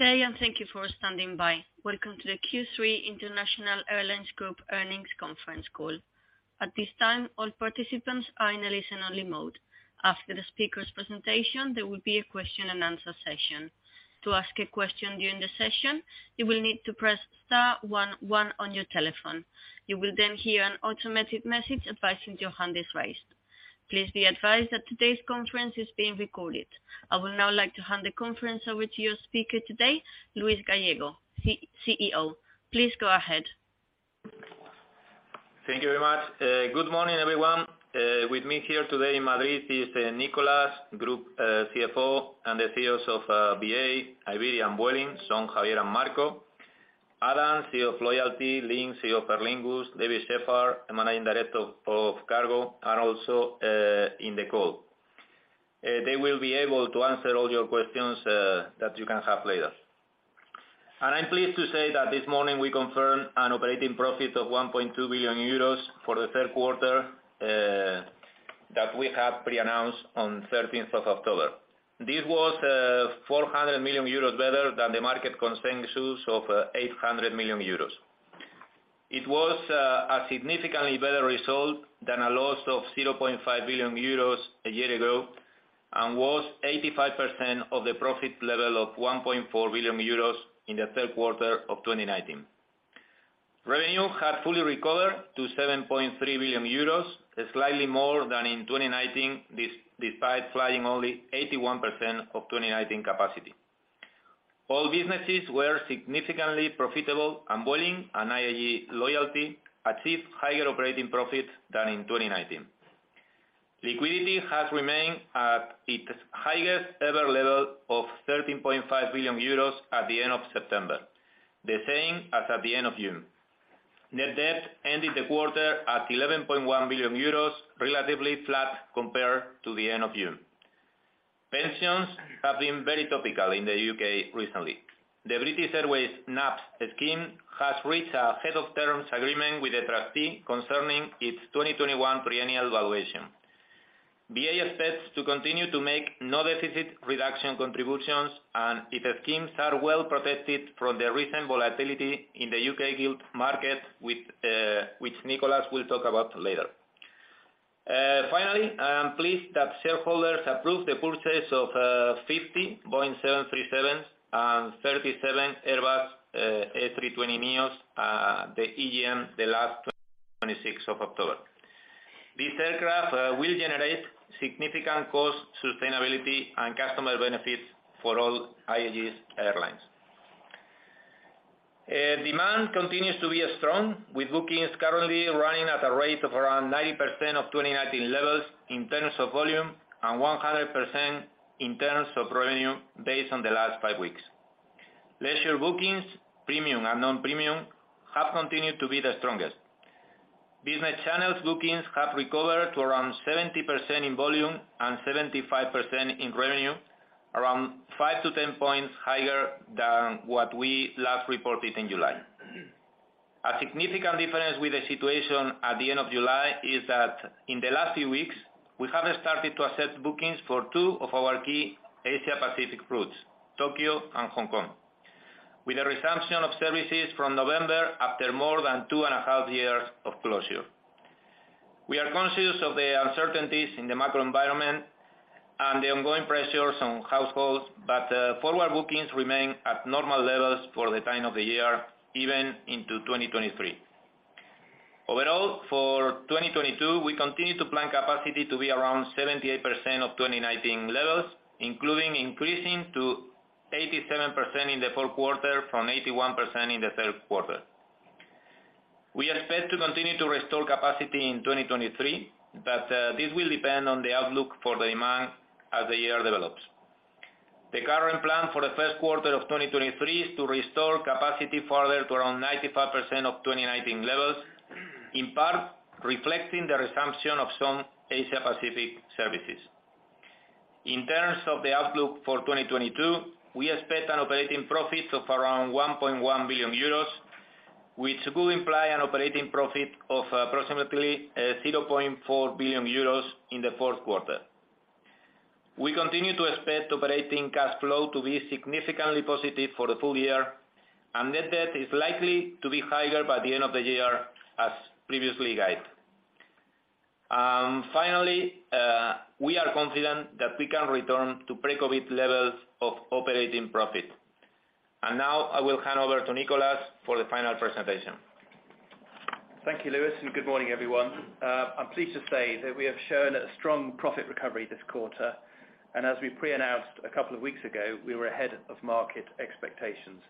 Good day, and thank you for standing by. Welcome to the Q3 International Airlines Group Earnings Conference Call. At this time, all participants are in a listen-only mode. After the speaker's presentation, there will be a question-and-answer session. To ask a question during the session, you will need to press star one one on your telephone. You will then hear an automatic message advising your hand is raised. Please be advised that today's conference is being recorded. I would now like to hand the conference over to your speaker today, Luis Gallego, CEO. Please go ahead. Thank you very much. Good morning, everyone. With me here today in Madrid is Nicholas, Group CFO, and the CEOs of BA, Iberia and Vueling, Sean, Javier, and Marco. Adam, CEO of Loyalty, Lynne, CEO of Aer Lingus, David Shepherd, Managing Director of Cargo, are also in the call. They will be able to answer all your questions that you can have later. I'm pleased to say that this morning we confirmed an operating profit of 1.2 billion euros for the third quarter that we have pre-announced on thirteenth of October. This was 400 million euros better than the market consensus of 800 million euros. It was a significantly better result than a loss of 0.5 billion euros a year ago, and was 85% of the profit level of 1.4 billion euros in the third quarter of 2019. Revenue had fully recovered to 7.3 billion euros, slightly more than in 2019, despite flying only 81% of 2019 capacity. All businesses were significantly profitable, and Vueling and IAG Loyalty achieved higher operating profits than in 2019. Liquidity has remained at its highest ever level of 13.5 billion euros at the end of September, the same as at the end of June. Net debt ended the quarter at 11.1 billion euros, relatively flat compared to the end of June. Pensions have been very topical in the U.K. recently. The British Airways NAPS scheme has reached a heads of terms agreement with the trustee concerning its 2021 triennial valuation. BA expects to continue to make no deficit reduction contributions, and its schemes are well protected from the recent volatility in the UK gilt market, which Nicholas will talk about later. Finally, I'm pleased that shareholders approved the purchase of 50 737 and 37 Airbus A320neos at the EGM on the 26th of October. These aircraft will generate significant cost, sustainability, and customer benefits for all IAG's airlines. Demand continues to be strong, with bookings currently running at a rate of around 90% of 2019 levels in terms of volume and 100% in terms of revenue based on the last five weeks. Leisure bookings, premium and non-premium, have continued to be the strongest. Business channels bookings have recovered to around 70% in volume and 75% in revenue, around 5-10 points higher than what we last reported in July. A significant difference with the situation at the end of July is that in the last few weeks, we have started to accept bookings for two of our key Asia Pacific routes, Tokyo and Hong Kong, with a resumption of services from November after more than two and a half years of closure. We are conscious of the uncertainties in the macro environment and the ongoing pressures on households, but forward bookings remain at normal levels for the time of the year, even into 2023. Overall, for 2022, we continue to plan capacity to be around 78% of 2019 levels, including increasing to 87% in the fourth quarter from 81% in the third quarter. We expect to continue to restore capacity in 2023, but this will depend on the outlook for the demand as the year develops. The current plan for the first quarter of 2023 is to restore capacity further to around 95% of 2019 levels, in part reflecting the resumption of some Asia Pacific services. In terms of the outlook for 2022, we expect an operating profit of around 1.1 billion euros, which will imply an operating profit of approximately 0.4 billion euros in the fourth quarter. We continue to expect operating cash flow to be significantly positive for the full year, and net debt is likely to be higher by the end of the year as previously guided. Finally, we are confident that we can return to pre-COVID levels of operating profit. Now I will hand over to Nicholas for the final presentation. Thank you, Luis, and good morning, everyone. I'm pleased to say that we have shown a strong profit recovery this quarter, and as we pre-announced a couple of weeks ago, we were ahead of market expectations.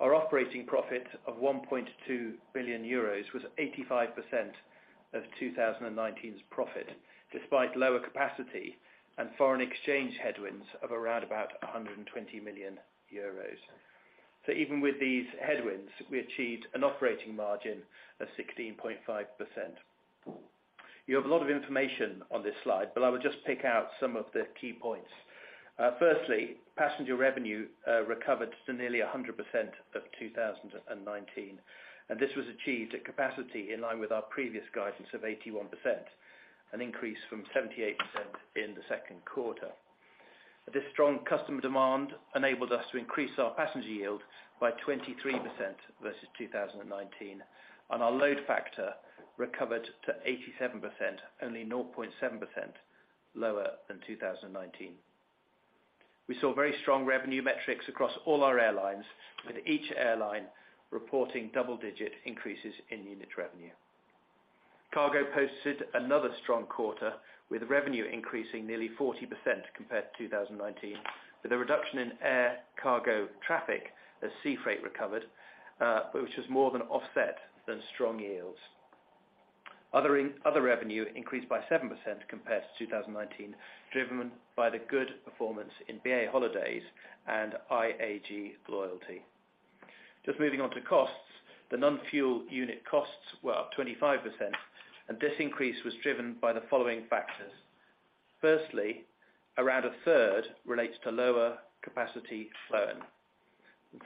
Our operating profit of 1.2 billion euros was 85% of 2019's profit, despite lower capacity and foreign exchange headwinds of around about 120 million euros. Even with these headwinds, we achieved an operating margin of 16.5%. You have a lot of information on this slide, but I will just pick out some of the key points. Firstly, passenger revenue recovered to nearly 100% of 2019, and this was achieved at capacity in line with our previous guidance of 81%, an increase from 78% in the second quarter. This strong customer demand enabled us to increase our passenger yield by 23% versus 2019, and our load factor recovered to 87%, only 0.7% lower than 2019. We saw very strong revenue metrics across all our airlines, with each airline reporting double-digit increases in unit revenue. Cargo posted another strong quarter, with revenue increasing nearly 40% compared to 2019, with a reduction in air cargo traffic as sea freight recovered, which was more than offset by strong yields. Other revenue increased by 7% compared to 2019, driven by the good performance in BA Holidays and IAG Loyalty. Just moving on to costs, the non-fuel unit costs were up 25%, and this increase was driven by the following factors. Firstly, around a third relates to lower capacity flown.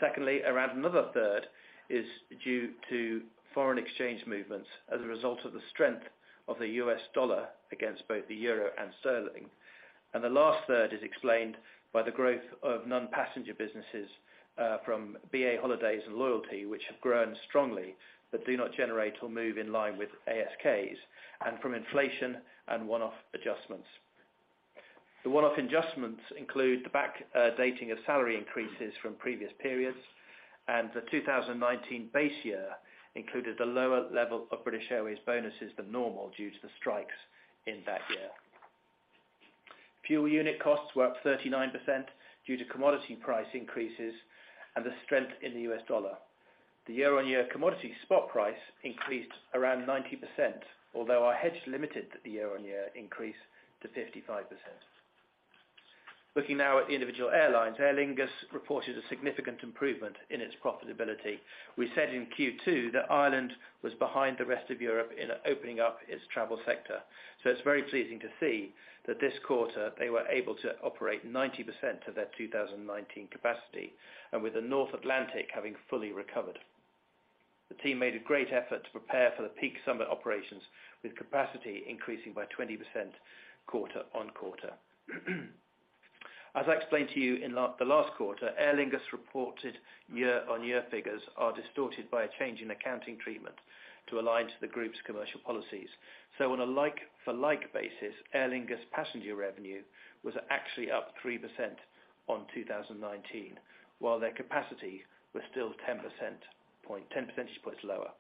Secondly, around another third is due to foreign exchange movements as a result of the strength of the U.S. dollar against both the euro and sterling. The last third is explained by the growth of non-passenger businesses from BA Holidays and Loyalty, which have grown strongly, but do not generate or move in line with ASKs, and from inflation and one-off adjustments. The one-off adjustments include the backdating of salary increases from previous periods, and the 2019 base year included a lower level of British Airways bonuses than normal due to the strikes in that year. Fuel unit costs were up 39% due to commodity price increases and the strength in the U.S. dollar. The year-on-year commodity spot price increased around 90%, although our hedge limited the year-on-year increase to 55%. Looking now at the individual airlines, Aer Lingus reported a significant improvement in its profitability. We said in Q2 that Ireland was behind the rest of Europe in opening up its travel sector. It's very pleasing to see that this quarter they were able to operate 90% of their 2019 capacity, and with the North Atlantic having fully recovered. The team made a great effort to prepare for the peak summer operations, with capacity increasing by 20% quarter-on-quarter. As I explained to you in the last quarter, Aer Lingus reported year-on-year figures are distorted by a change in accounting treatment to align to the group's commercial policies. On a like-for-like basis, Aer Lingus passenger revenue was actually up 3% on 2019, while their capacity was still 10 percentage points lower.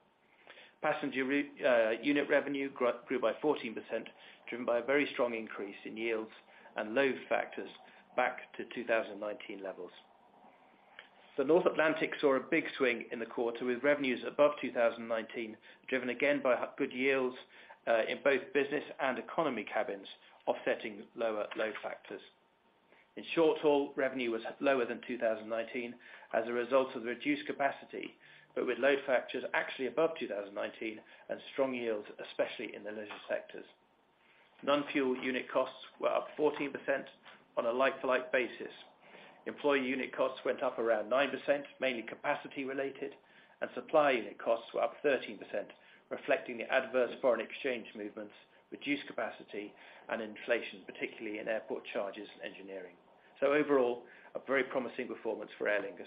Passenger unit revenue grew by 14%, driven by a very strong increase in yields and load factors back to 2019 levels. The North Atlantic saw a big swing in the quarter, with revenues above 2019, driven again by good yields in both business and economy cabins, offsetting lower load factors. In short haul, revenue was lower than 2019 as a result of reduced capacity, but with load factors actually above 2019 and strong yields, especially in the leisure sectors. Non-fuel unit costs were up 14% on a like-for-like basis. Employee unit costs went up around 9%, mainly capacity related, and supply unit costs were up 13%, reflecting the adverse foreign exchange movements, reduced capacity and inflation, particularly in airport charges and engineering. Overall, a very promising performance for Aer Lingus.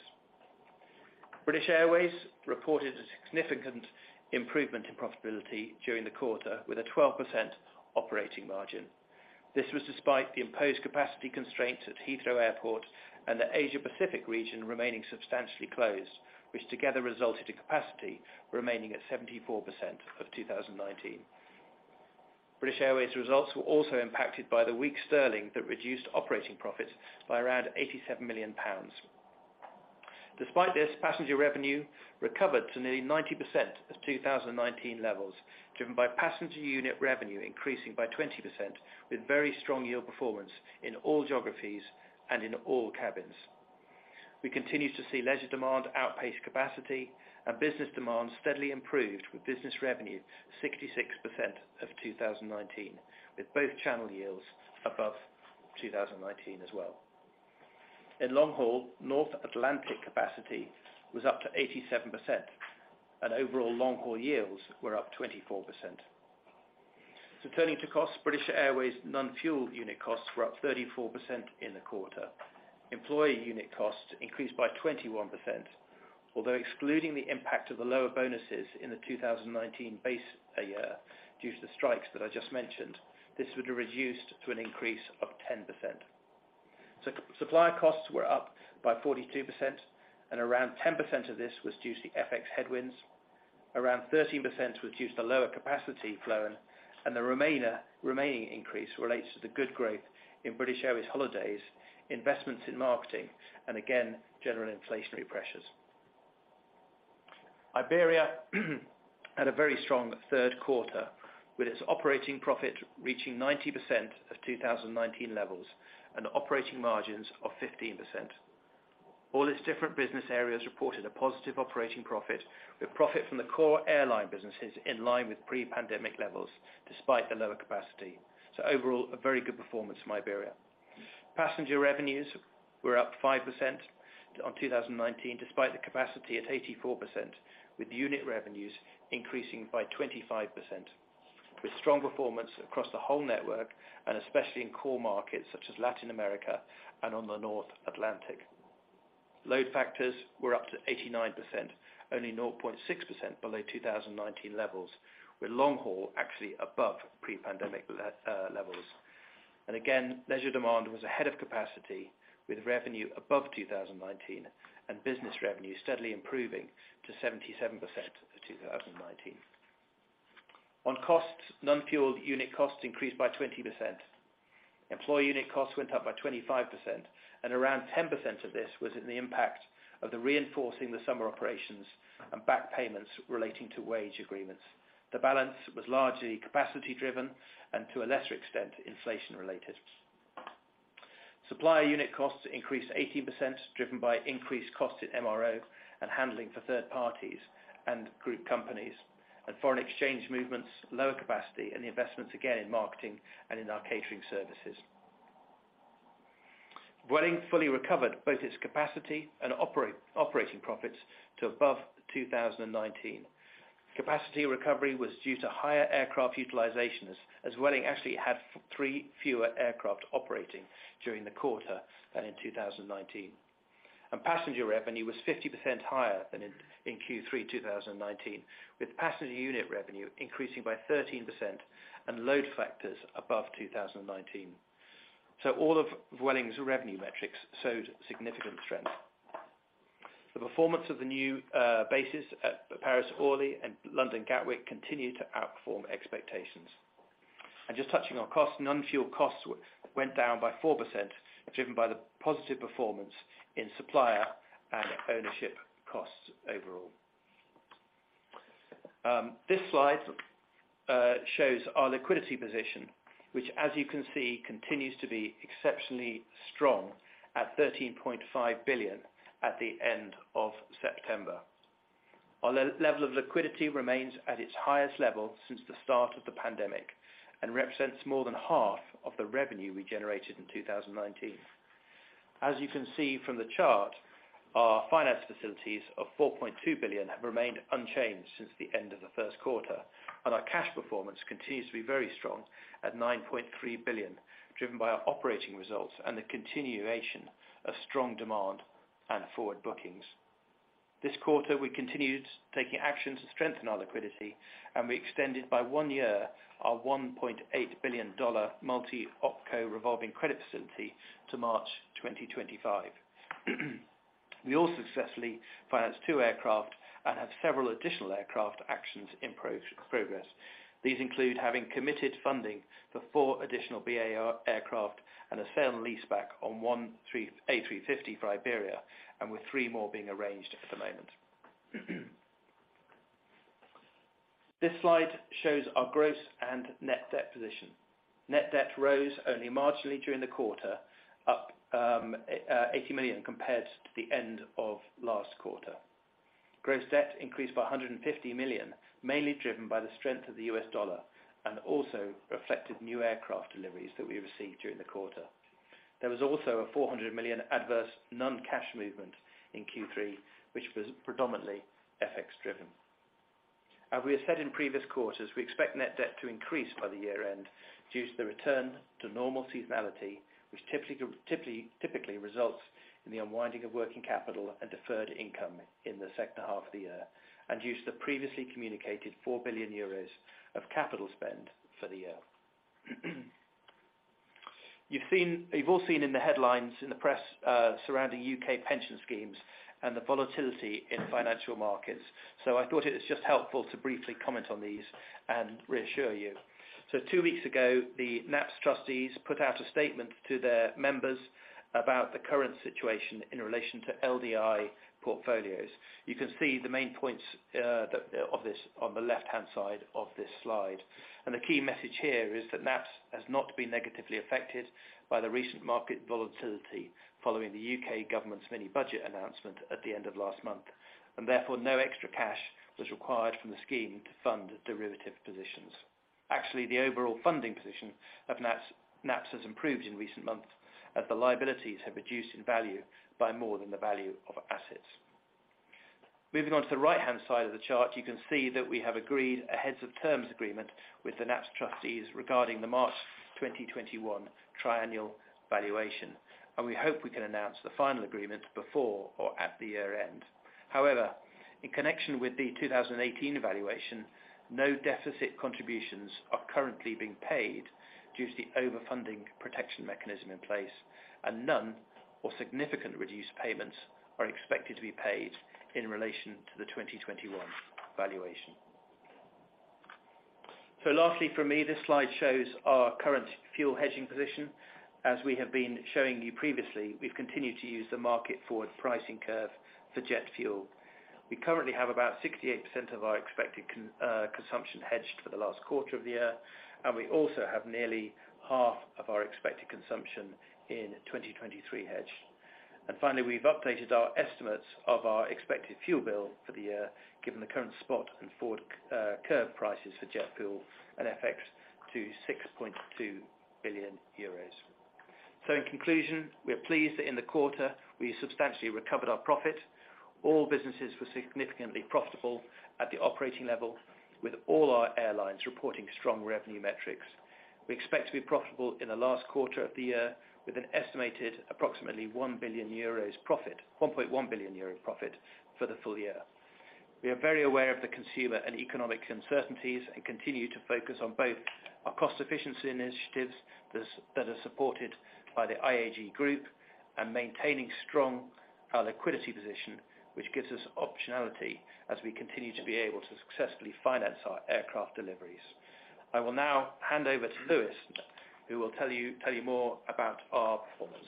British Airways reported a significant improvement in profitability during the quarter, with a 12% operating margin. This was despite the imposed capacity constraints at Heathrow Airport and the Asia-Pacific region remaining substantially closed, which together resulted in capacity remaining at 74% of 2019. British Airways results were also impacted by the weak sterling that reduced operating profits by around 87 million pounds. Despite this, passenger revenue recovered to nearly 90% of 2019 levels, driven by passenger unit revenue increasing by 20%, with very strong yield performance in all geographies and in all cabins. We continued to see leisure demand outpace capacity and business demand steadily improved with business revenue 66% of 2019, with both channel yields above 2019 as well. In long-haul, North Atlantic capacity was up to 87%, and overall long-haul yields were up 24%. Turning to costs, British Airways' non-fuel unit costs were up 34% in the quarter. Employee unit costs increased by 21%, although excluding the impact of the lower bonuses in the 2019 base year due to the strikes that I just mentioned, this would have reduced to an increase of 10%. Supply costs were up by 42%, and around 10% of this was due to the FX headwinds, around 13% was due to the lower capacity flown, and the remainder, remaining increase relates to the good growth in British Airways Holidays, investments in marketing, and again, general inflationary pressures. Iberia had a very strong third quarter, with its operating profit reaching 90% of 2019 levels and operating margins of 15%. All its different business areas reported a positive operating profit, with profit from the core airline businesses in line with pre-pandemic levels despite the lower capacity. Overall, a very good performance from Iberia. Passenger revenues were up 5% on 2019, despite the capacity at 84%, with unit revenues increasing by 25%. With strong performance across the whole network, and especially in core markets such as Latin America and on the North Atlantic. Load factors were up to 89%, only 0.6% below 2019 levels, with long haul actually above pre-pandemic levels. Again, leisure demand was ahead of capacity, with revenue above 2019, and business revenue steadily improving to 77% of 2019. On costs, non-fueled unit costs increased by 20%. Employee unit costs went up by 25%, and around 10% of this was in the impact of the reinforcing the summer operations and back payments relating to wage agreements. The balance was largely capacity driven, and to a lesser extent, inflation related. Supplier unit costs increased 18%, driven by increased costs at MRO and handling for third parties and group companies, and foreign exchange movements, lower capacity, and the investments again in marketing and in our catering services. Vueling fully recovered both its capacity and operating profits to above 2019. Capacity recovery was due to higher aircraft utilization as Vueling actually had three fewer aircraft operating during the quarter than in 2019. Passenger revenue was 50% higher than in Q3 2019, with passenger unit revenue increasing by 13% and load factors above 2019. All of Vueling's revenue metrics showed significant strength. The performance of the new bases at Paris Orly and London Gatwick continued to outperform expectations. Just touching on costs, non-fuel costs went down by 4% driven by the positive performance in supplier and ownership costs overall. This slide shows our liquidity position, which as you can see, continues to be exceptionally strong at 13.5 billion at the end of September. Our level of liquidity remains at its highest level since the start of the pandemic, and represents more than half of the revenue we generated in 2019. As you can see from the chart, our finance facilities of 4.2 billion have remained unchanged since the end of the first quarter, and our cash performance continues to be very strong at 9.3 billion, driven by our operating results and the continuation of strong demand and forward bookings. This quarter, we continued taking action to strengthen our liquidity, and we extended by one year our $1.8 billion multi-opco revolving credit facility to March 2025. We also successfully financed two aircraft and have several additional aircraft actions in progress. These include having committed funding for four additional BA aircraft and a sale and leaseback on one A350 for Iberia, and with three more being arranged at the moment. This slide shows our gross and net debt position. Net debt rose only marginally during the quarter, up 80 million compared to the end of last quarter. Gross debt increased by 150 million, mainly driven by the strength of the US dollar, and also reflected new aircraft deliveries that we received during the quarter. There was also a 400 million adverse non-cash movement in Q3, which was predominantly FX driven. As we have said in previous quarters, we expect net debt to increase by the year end due to the return to normal seasonality, which typically results in the unwinding of working capital and deferred income in the second half of the year, and due to the previously communicated 4 billion euros of capital spend for the year. You've all seen in the headlines in the press surrounding U.K. pension schemes and the volatility in financial markets. I thought it was just helpful to briefly comment on these and reassure you. Two weeks ago, the NAPS trustees put out a statement to their members about the current situation in relation to LDI portfolios. You can see the main points of this on the left-hand side of this slide. The key message here is that NAPS has not been negatively affected by the recent market volatility following the UK government's mini budget announcement at the end of last month. Therefore, no extra cash was required from the scheme to fund derivative positions. Actually, the overall funding position of NAPS has improved in recent months as the liabilities have reduced in value by more than the value of assets. Moving on to the right-hand side of the chart, you can see that we have agreed a heads of terms agreement with the NAPS trustees regarding the March 2021 triennial valuation, and we hope we can announce the final agreement before or at the year-end. However, in connection with the 2018 valuation, no deficit contributions are currently being paid due to the over-funding protection mechanism in place, and none or significant reduced payments are expected to be paid in relation to the 2021 valuation. Lastly from me, this slide shows our current fuel hedging position. As we have been showing you previously, we've continued to use the market forward pricing curve for jet fuel. We currently have about 68% of our expected consumption hedged for the last quarter of the year, and we also have nearly half of our expected consumption in 2023 hedged. Finally, we've updated our estimates of our expected fuel bill for the year, given the current spot and forward curve prices for jet fuel and FX to 6.2 billion euros. In conclusion, we are pleased that in the quarter we substantially recovered our profit. All businesses were significantly profitable at the operating level, with all our airlines reporting strong revenue metrics. We expect to be profitable in the last quarter of the year with an estimated approximately one point one billion euro profit for the full year. We are very aware of the consumer and economic uncertainties, and continue to focus on both our cost efficiency initiatives that are supported by the IAG group, and maintaining strong liquidity position, which gives us optionality as we continue to be able to successfully finance our aircraft deliveries. I will now hand over to Luis Gallego, who will tell you more about our performance.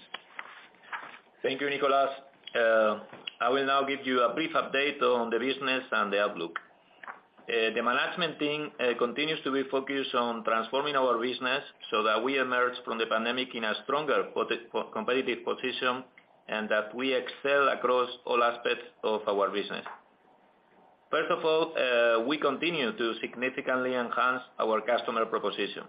Thank you, Nicholas. I will now give you a brief update on the business and the outlook. The management team continues to be focused on transforming our business so that we emerge from the pandemic in a stronger competitive position, and that we excel across all aspects of our business. First of all, we continue to significantly enhance our customer proposition.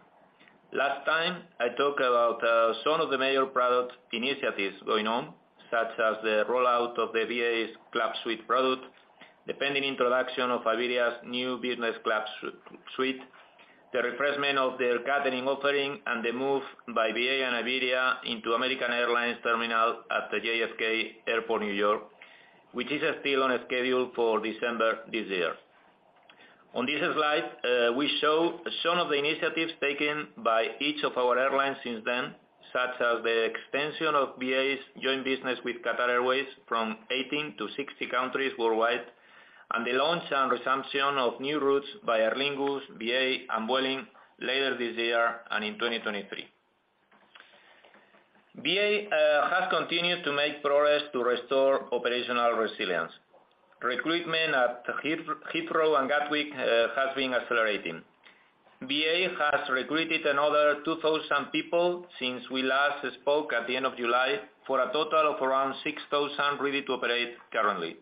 Last time, I talked about some of the major product initiatives going on, such as the rollout of the BA's Club Suite product, the pending introduction of Iberia's new business class suite, the refreshment of their catering offering, and the move by BA and Iberia into American Airlines terminal at the JFK Airport, New York, which is still on a schedule for December this year. On this slide, we show some of the initiatives taken by each of our airlines since then, such as the extension of BA's joint business with Qatar Airways from 18 to 60 countries worldwide, and the launch and resumption of new routes by Aer Lingus, BA and Vueling later this year and in 2023. BA has continued to make progress to restore operational resilience. Recruitment at Heathrow and Gatwick has been accelerating. BA has recruited another 2,000 people since we last spoke at the end of July, for a total of around 6,000 ready to operate currently.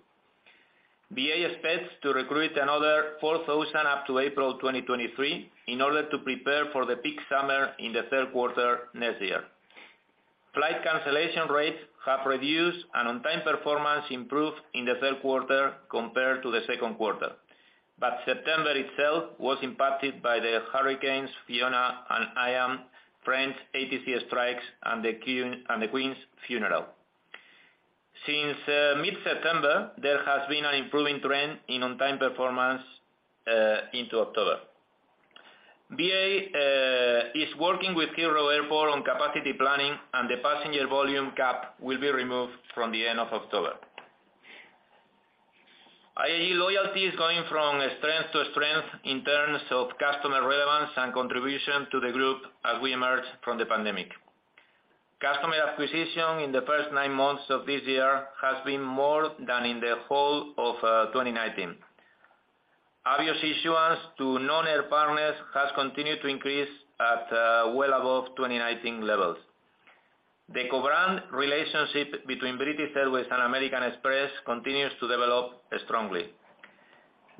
BA expects to recruit another 4,000 up to April 2023 in order to prepare for the peak summer in the third quarter next year. Flight cancellation rates have reduced and on-time performance improved in the third quarter compared to the second quarter. September itself was impacted by the hurricanes Fiona and Ian, French ATC strikes, and the queen's funeral. Since mid-September, there has been an improving trend in on-time performance into October. BA is working with Heathrow Airport on capacity planning, and the passenger volume cap will be removed from the end of October. IAG Loyalty is going from strength to strength in terms of customer relevance and contribution to the group as we emerge from the pandemic. Customer acquisition in the first nine months of this year has been more than in the whole of 2019. Avios issuance to non-air partners has continued to increase at well above 2019 levels. The co-brand relationship between British Airways and American Express continues to develop strongly.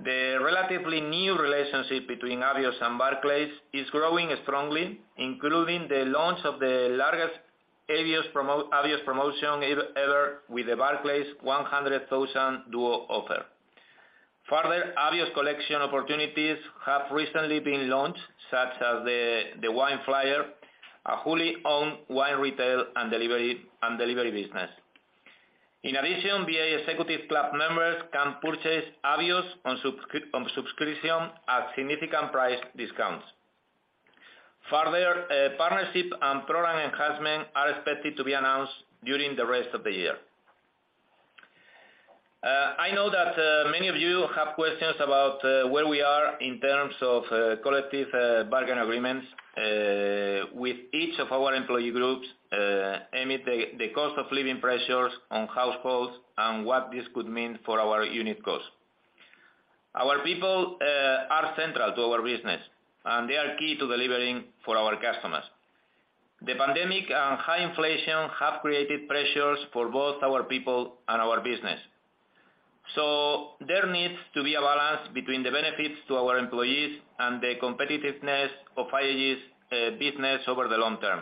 The relatively new relationship between Avios and Barclays is growing strongly, including the launch of the largest Avios promotion ever with the Barclays 100,000 Avios duo offer. Further, Avios collection opportunities have recently been launched, such as the Wine Flyer, a wholly owned wine retail and delivery business. In addition, BA Executive Club members can purchase Avios on subscription at significant price discounts. Further, partnership and program enhancement are expected to be announced during the rest of the year. I know that many of you have questions about where we are in terms of collective bargaining agreements with each of our employee groups amid the cost of living pressures on households and what this could mean for our unit costs. Our people are central to our business, and they are key to delivering for our customers. The pandemic and high inflation have created pressures for both our people and our business. There needs to be a balance between the benefits to our employees and the competitiveness of IAG's business over the long term.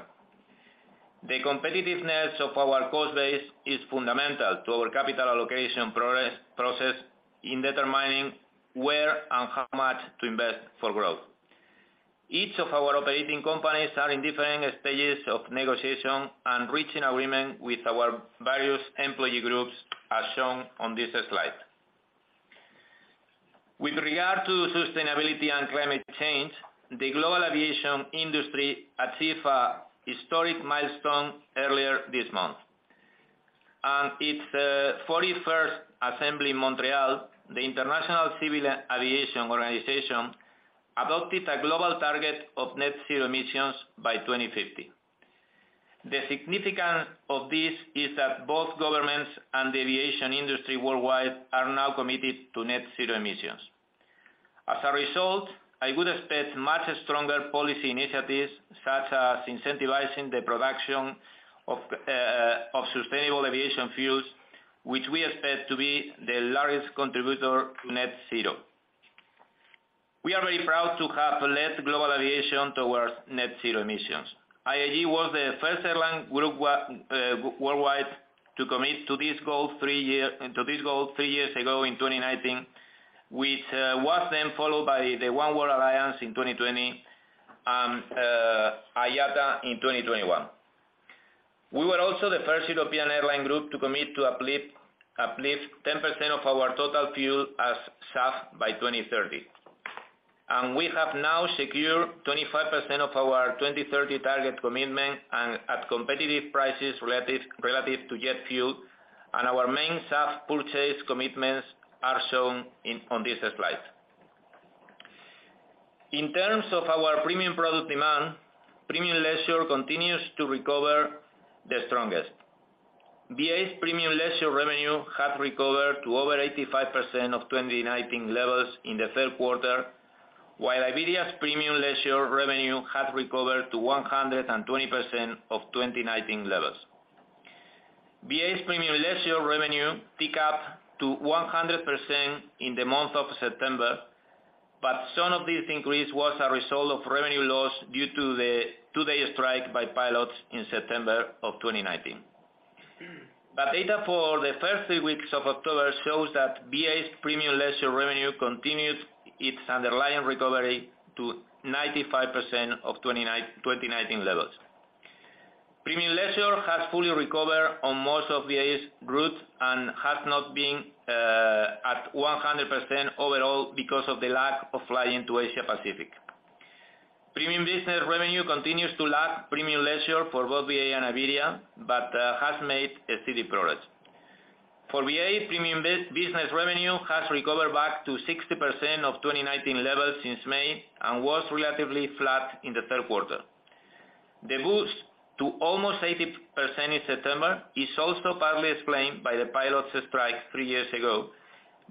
The competitiveness of our cost base is fundamental to our capital allocation process in determining where and how much to invest for growth. Each of our operating companies are in different stages of negotiation and reaching agreement with our various employee groups as shown on this slide. With regard to sustainability and climate change, the global aviation industry achieved a historic milestone earlier this month. At its 41st assembly in Montreal, the International Civil Aviation Organization adopted a global target of net zero emissions by 2050. The significance of this is that both governments and the aviation industry worldwide are now committed to net zero emissions. As a result, I would expect much stronger policy initiatives such as incentivizing the production of sustainable aviation fuels, which we expect to be the largest contributor to net zero. We are very proud to have led global aviation towards net zero emissions. IAG was the first airline group worldwide to commit to this goal three years ago in 2019, which was then followed by the Oneworld Alliance in 2020, and IATA in 2021. We were also the first European airline group to commit to uplift 10% of our total fuel as SAF by 2030. We have now secured 25% of our 2030 target commitment and at competitive prices relative to jet fuel, and our main SAF purchase commitments are shown on this slide. In terms of our premium product demand, premium leisure continues to recover the strongest. BA's premium leisure revenue has recovered to over 85% of 2019 levels in the third quarter, while Iberia's premium leisure revenue has recovered to 120% of 2019 levels. BA's premium leisure revenue ticked up to 100% in the month of September, but some of this increase was a result of revenue loss due to the two-day strike by pilots in September of 2019. Data for the first three weeks of October shows that BA's premium leisure revenue continued its underlying recovery to 95% of 2019 levels. Premium leisure has fully recovered on most of the BA's routes and has not been at 100% overall because of the lack of flying to Asia Pacific. Premium business revenue continues to lag premium leisure for both BA and Iberia, but has made a steady progress. For BA, premium business revenue has recovered back to 60% of 2019 levels since May and was relatively flat in the third quarter. The boost to almost 80% in September is also partly explained by the pilots' strike three years ago.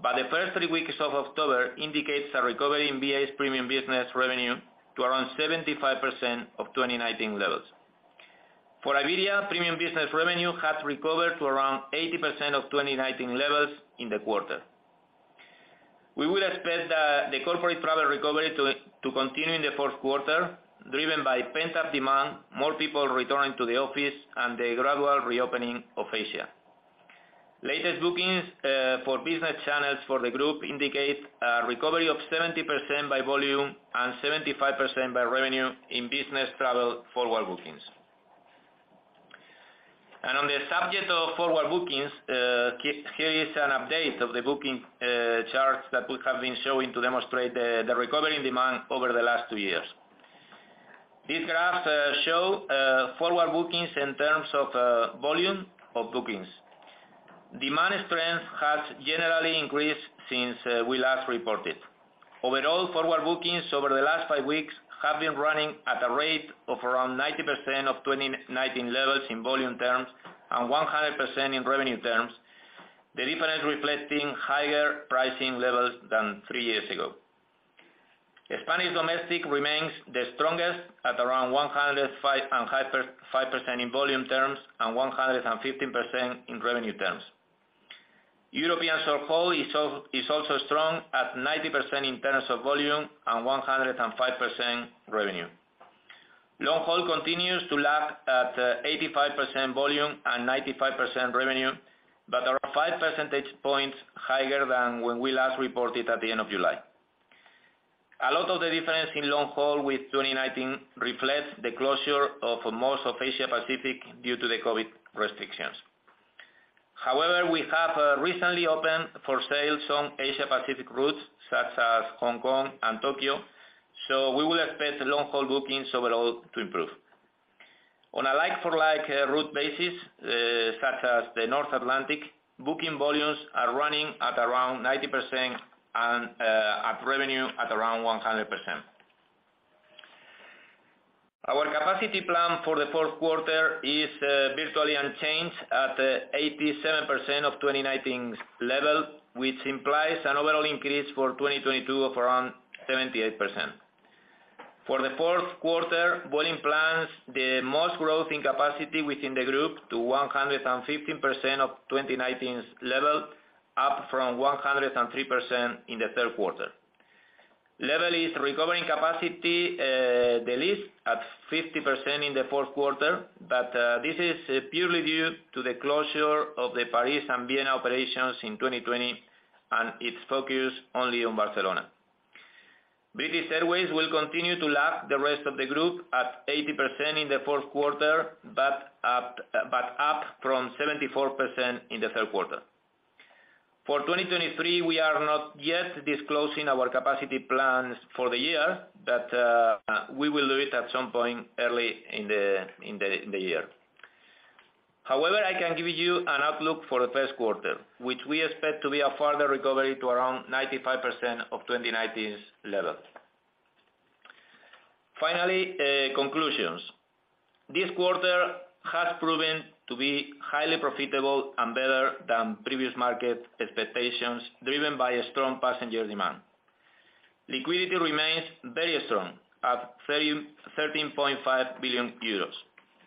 The first three weeks of October indicates a recovery in BA's premium business revenue to around 75% of 2019 levels. For Iberia, premium business revenue has recovered to around 80% of 2019 levels in the quarter. We will expect the corporate travel recovery to continue in the fourth quarter, driven by pent-up demand, more people returning to the office and the gradual reopening of Asia. Latest bookings for business channels for the group indicate a recovery of 70% by volume and 75% by revenue in business travel forward bookings. On the subject of forward bookings, here is an update of the booking charts that we have been showing to demonstrate the recovery in demand over the last two years. These graphs show forward bookings in terms of volume of bookings. Demand strength has generally increased since we last reported. Overall, forward bookings over the last five weeks have been running at a rate of around 90% of 2019 levels in volume terms and 100% in revenue terms, the difference reflecting higher pricing levels than three years ago. Spanish domestic remains the strongest at around 105% and 115% in volume terms and 115% in revenue terms. European short-haul is also strong at 90% in terms of volume and 105% revenue. Long-haul continues to lag at 85% volume and 95% revenue, but are five percentage points higher than when we last reported at the end of July. A lot of the difference in long-haul with 2019 reflects the closure of most of Asia Pacific due to the COVID restrictions. However, we have recently opened for sale some Asia Pacific routes such as Hong Kong and Tokyo, so we will expect long-haul bookings overall to improve. On a like-for-like route basis, such as the North Atlantic, booking volumes are running at around 90% and at revenue at around 100%. Our capacity plan for the fourth quarter is virtually unchanged at 87% of 2019's level, which implies an overall increase for 2022 of around 78%. For the fourth quarter, Vueling plans the most growth in capacity within the group to 115% of 2019's level, up from 103% in the third quarter. Level is recovering capacity the least at 50% in the fourth quarter, but this is purely due to the closure of the Paris and Vienna operations in 2020, and its focus only on Barcelona. British Airways will continue to lag the rest of the group at 80% in the fourth quarter, but up from 74% in the third quarter. For 2023, we are not yet disclosing our capacity plans for the year, but we will do it at some point early in the year. However, I can give you an outlook for the first quarter, which we expect to be a further recovery to around 95% of 2019's level. Finally, conclusions. This quarter has proven to be highly profitable and better than previous market expectations, driven by a strong passenger demand. Liquidity remains very strong at 13.5 billion euros.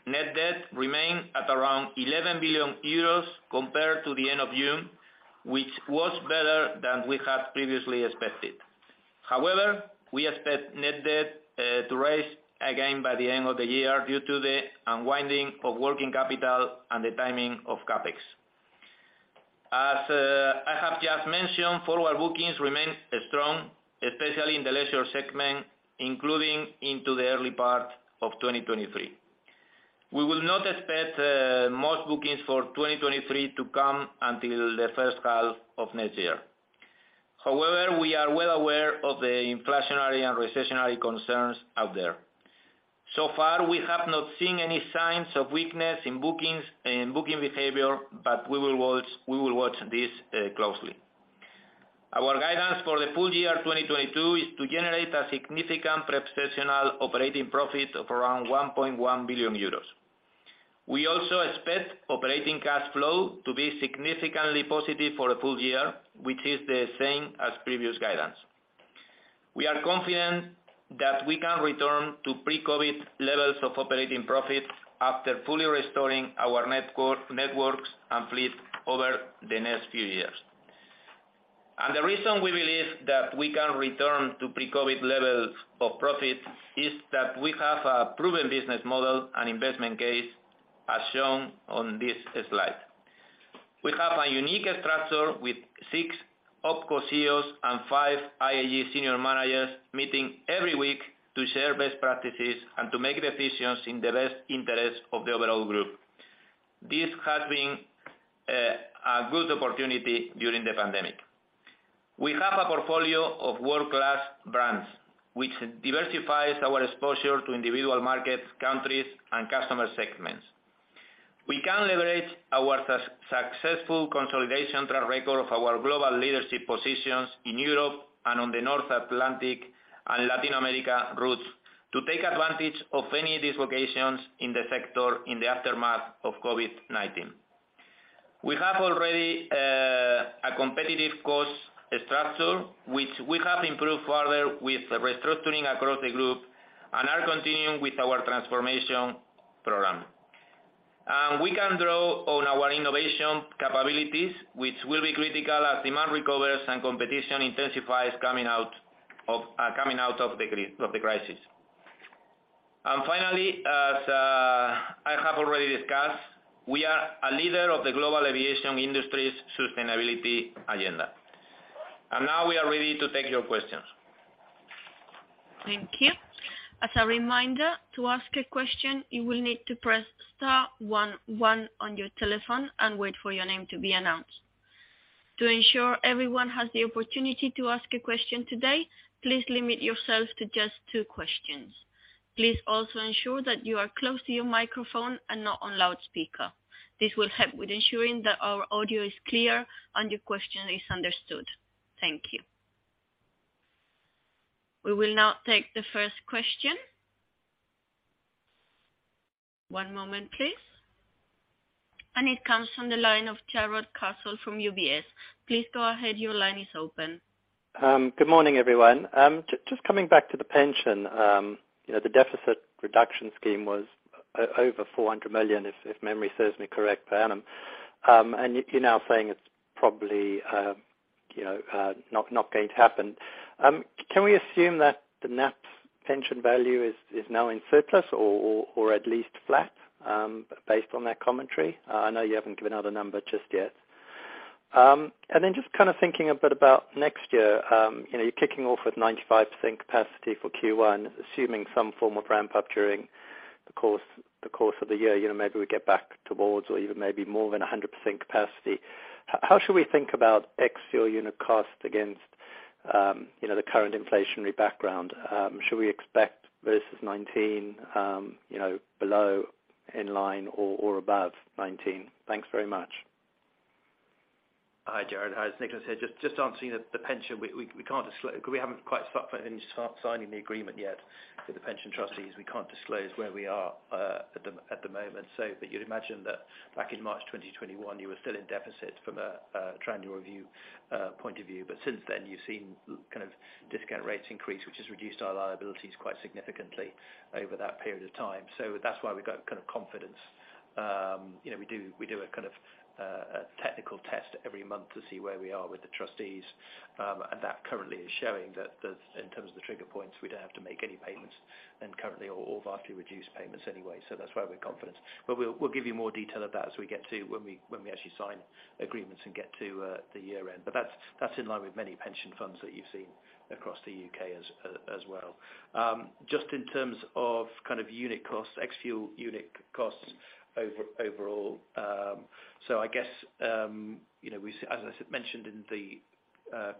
Net debt remained at around 11 billion euros compared to the end of June, which was better than we had previously expected. However, we expect net debt to rise again by the end of the year due to the unwinding of working capital and the timing of CapEx. As I have just mentioned, forward bookings remain strong, especially in the leisure segment, including into the early part of 2023. We will not expect most bookings for 2023 to come until the first half of next year. However, we are well aware of the inflationary and recessionary concerns out there. So far, we have not seen any signs of weakness in bookings and booking behavior, but we will watch this closely. Our guidance for the full year 2022 is to generate a significant pre-tax operational profit of around 1.1 billion euros. We also expect operating cash flow to be significantly positive for a full year, which is the same as previous guidance. We are confident that we can return to pre-COVID levels of operating profit after fully restoring our network and fleet over the next few years. The reason we believe that we can return to pre-COVID levels of profit is that we have a proven business model and investment case, as shown on this slide. We have a unique structure with six OpCo CEOs and five IAG senior managers meeting every week to share best practices and to make decisions in the best interest of the overall group. This has been a good opportunity during the pandemic. We have a portfolio of world-class brands, which diversifies our exposure to individual markets, countries, and customer segments. We can leverage our successful consolidation track record of our global leadership positions in Europe and on the North Atlantic and Latin America routes to take advantage of any dislocations in the sector in the aftermath of COVID-19. We have already a competitive cost structure, which we have improved further with restructuring across the group and are continuing with our transformation program. We can draw on our innovation capabilities, which will be critical as demand recovers and competition intensifies coming out of the crisis. Finally, as I have already discussed, we are a leader of the global aviation industry's sustainability agenda. Now we are ready to take your questions. Thank you. As a reminder, to ask a question, you will need to press star one one on your telephone and wait for your name to be announced. To ensure everyone has the opportunity to ask a question today, please limit yourself to just two questions. Please also ensure that you are close to your microphone and not on loudspeaker. This will help with ensuring that our audio is clear and your question is understood. Thank you. We will now take the first question. One moment, please. It comes from the line of Jarrod Castle from UBS. Please go ahead. Your line is open. Good morning, everyone. Just coming back to the pension, you know, the deficit reduction scheme was over 400 million, if memory serves me correct, per annum. You're now saying it's probably, you know, not going to happen. Can we assume that the net pension value is now in surplus or at least flat, based on that commentary? I know you haven't given out a number just yet. Then just thinking a bit about next year, you know, you're kicking off at 95% capacity for Q1, assuming some form of ramp up during the course of the year, you know, maybe we get back towards or even maybe more than 100% capacity. How should we think about ex-fuel unit cost against, you know, the current inflationary background? Should we expect versus 2019, you know, below, in line or above 2019? Thanks very much. Hi, Jarrod. Hi, it's Nicholas here. Just answering the pension, we haven't quite finished signing the agreement yet with the pension trustees. We can't disclose where we are at the moment. You'd imagine that back in March 2021, you were still in deficit from a triennial review point of view. Since then, you've seen kind of discount rates increase, which has reduced our liabilities quite significantly over that period of time. That's why we've got kind of confidence. You know, we do a kind of a technical test every month to see where we are with the trustees. That currently is showing that in terms of the trigger points, we don't have to make any payments, and currently or vastly reduced payments anyway. That's why we're confident. We'll give you more detail on that as we get to when we actually sign agreements and get to the year end. That's in line with many pension funds that you've seen across the UK as well. Just in terms of kind of unit costs, ex-fuel unit costs overall. I guess, you know, we've, as I mentioned in the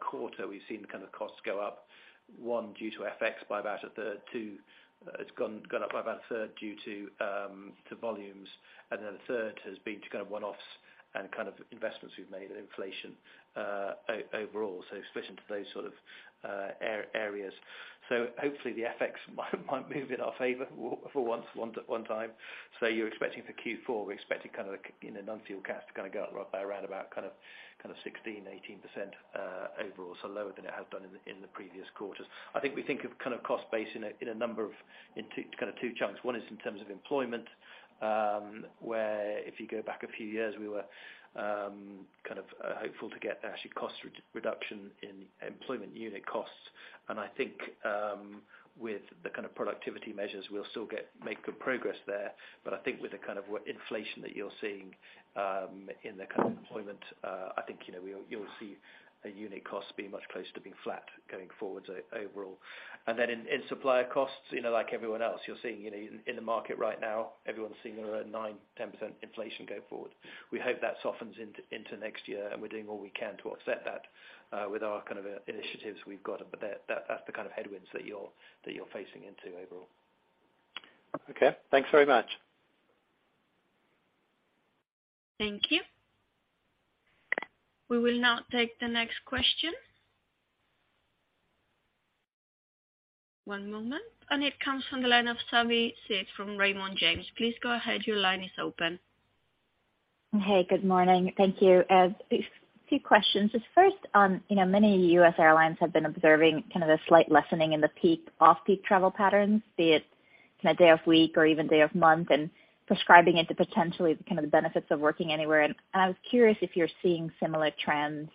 quarter, we've seen the kind of costs go up, one, due to FX by about a third. Two, it's gone up by about a third due to volumes. And then the third has been to kind of one-offs and kind of investments we've made and inflation overall. Especially into those sort of areas. Hopefully the FX might move in our favor for once, one time. You're expecting for Q4, we're expecting kind of, you know, non-fuel cost to kind of go up by around about kind of 16%-18%. Overall, lower than it has done in the previous quarters. I think we think of kind of cost base in two kind of chunks. One is in terms of employment, where if you go back a few years, we were kind of hopeful to get actually cost reduction in employment unit costs. I think with the kind of productivity measures, we'll still make good progress there. But I think with the kind of what inflation that you're seeing in the current employment, I think you know, you'll see a unit cost be much closer to being flat going forward overall. Then in supplier costs, you know, like everyone else, you're seeing you know, in the market right now, everyone's seeing around 9%-10% inflation go forward. We hope that softens into next year, and we're doing all we can to offset that with our kind of initiatives we've got. That's the kind of headwinds that you're facing into overall. Okay, thanks very much. Thank you. We will now take the next question. One moment. It comes from the line of Savanthi Syth from Raymond James. Please go ahead. Your line is open. Hey, good morning. Thank you. Just few questions. Just first on, you know, many U.S. airlines have been observing kind of a slight lessening in the peak, off-peak travel patterns, be it day of week or even day of month, and prescribing it to potentially kind of the benefits of working anywhere. I was curious if you're seeing similar trends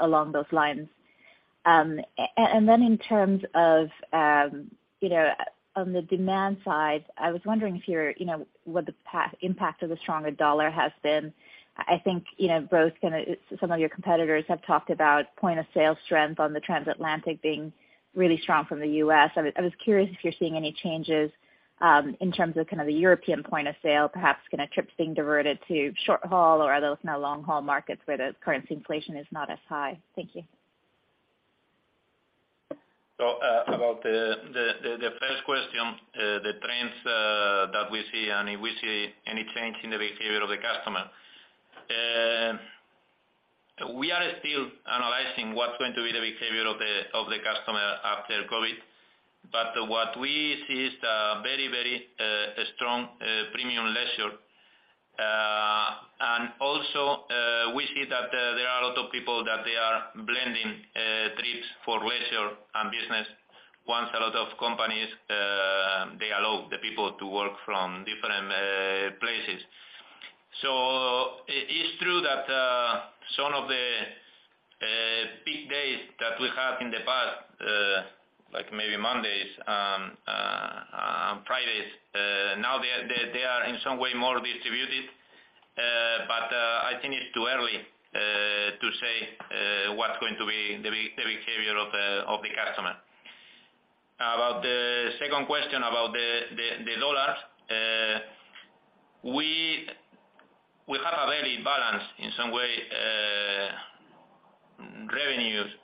along those lines. In terms of, you know, on the demand side, I was wondering if you're, you know, what the impact of the stronger U.S. dollar has been. I think, you know, both kinda some of your competitors have talked about point-of-sale strength on the transatlantic being really strong from the U.S. I was curious if you're seeing any changes, in terms of kind of the European point of sale, perhaps can a trip being diverted to short-haul or are those now long-haul markets where the currency inflation is not as high? Thank you. About the first question, the trends that we see and if we see any change in the behavior of the customer. We are still analyzing what is going to be the behavior of the customer after COVID. What we see is a very strong premium leisure. And also, we see that there are a lot of people that they are blending trips for leisure and business when a lot of companies they allow the people to work from different places. It's true that some of the peak days that we had in the past, like maybe Mondays, Fridays, now they are in some way more distributed. I think it's too early to say what's going to be the behavior of the customer. About the second question about the dollar, we have a very balanced, in some way, revenues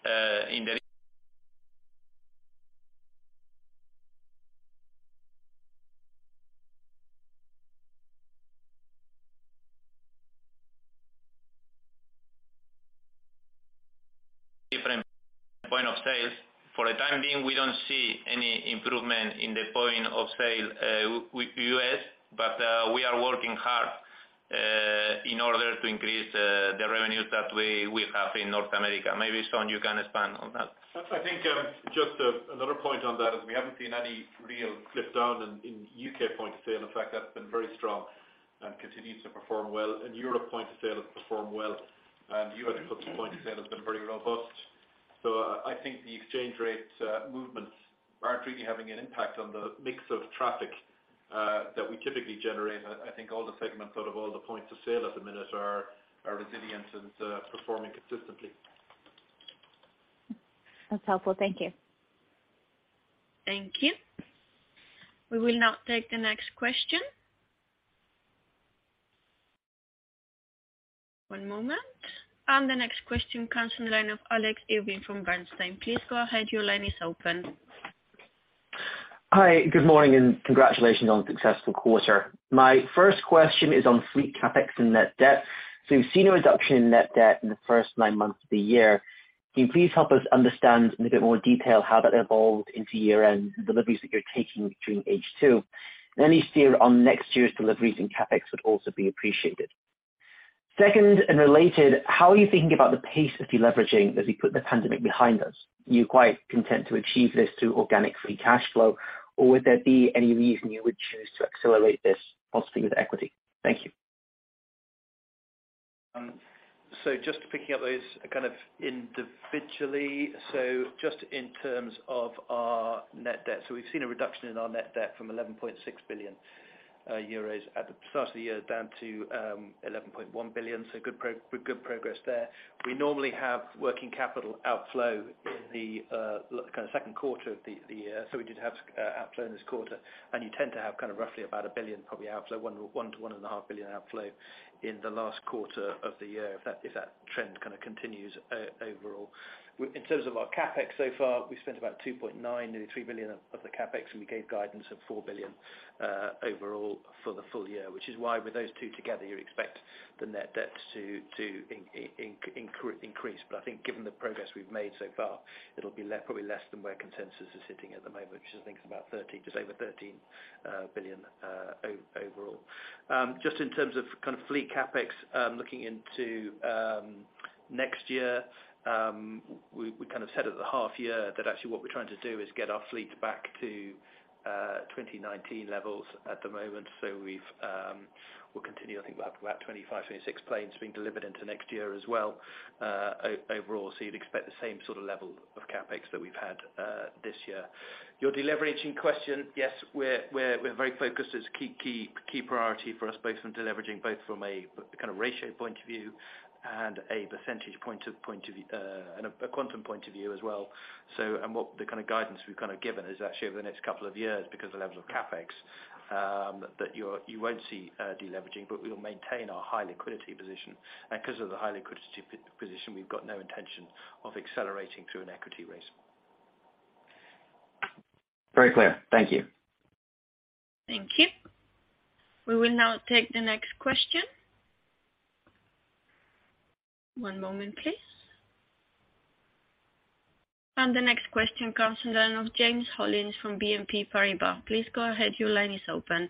in the different points of sale. For the time being, we don't see any improvement in the point of sale with U.S., but we are working hard in order to increase the revenues that we have in North America. Maybe, Sean, you can expand on that. I think just another point on that is we haven't seen any real come down in UK point of sale. In fact, that's been very strong and continues to perform well. In Europe, point of sale has performed well, and US customer point of sale has been very robust. I think the exchange rate movements aren't really having an impact on the mix of traffic that we typically generate. I think all the segments out of all the points of sale at the minute are resilient and performing consistently. That's helpful. Thank you. Thank you. We will now take the next question. One moment, and the next question comes from the line of Alex Irving from Bernstein. Please go ahead. Your line is open. Hi. Good morning, and congratulations on a successful quarter. My first question is on fleet CapEx and net debt. We've seen a reduction in net debt in the first nine months of the year. Can you please help us understand in a bit more detail how that evolved into year-end and deliveries that you're taking during H2? Any steer on next year's deliveries and CapEx would also be appreciated. Second and related, how are you thinking about the pace of deleveraging as we put the pandemic behind us? You're quite content to achieve this through organic free cash flow, or would there be any reason you would choose to accelerate this possibly with equity? Thank you. Just picking up those kind of individually. Just in terms of our net debt. We've seen a reduction in our net debt from 11.6 billion euros at the start of the year down to 11.1 billion. Good progress there. We normally have working capital outflow in the kinda second quarter of the year, so we did have outflow in this quarter. You tend to have kind of roughly about 1 billion probably outflow, 1 billion to 1.5 billion outflow in the last quarter of the year if that trend kind of continues overall. In terms of our CapEx so far, we've spent about 2.9 billion, nearly 3 billion of the CapEx, and we gave guidance of 4 billion overall for the full year, which is why with those two together, you expect the net debt to increase. I think given the progress we've made so far, it'll be probably less than where consensus is sitting at the moment, which I think is about 13 billion, just over 13 billion overall. Just in terms of kind of fleet CapEx, looking into next year, we kind of said at the half year that actually what we're trying to do is get our fleet back to 2019 levels at the moment. We've, we'll continue, I think we'll have about 25, 26 planes being delivered into next year as well, overall, so you'd expect the same sort of level of CapEx that we've had this year. Your deleveraging question, yes, we're very focused as key priority for us both from deleveraging both from a kind of ratio point of view and a percentage point of view, and a quantum point of view as well. What the kind of guidance we've kind of given is actually over the next couple of years because the levels of CapEx that you're, you won't see deleveraging, but we'll maintain our high liquidity position. Because of the high liquidity position, we've got no intention of accelerating through an equity raise. Very clear. Thank you. Thank you. We will now take the next question. One moment, please. The next question comes in line of James Hollins from BNP Paribas. Please go ahead. Your line is open.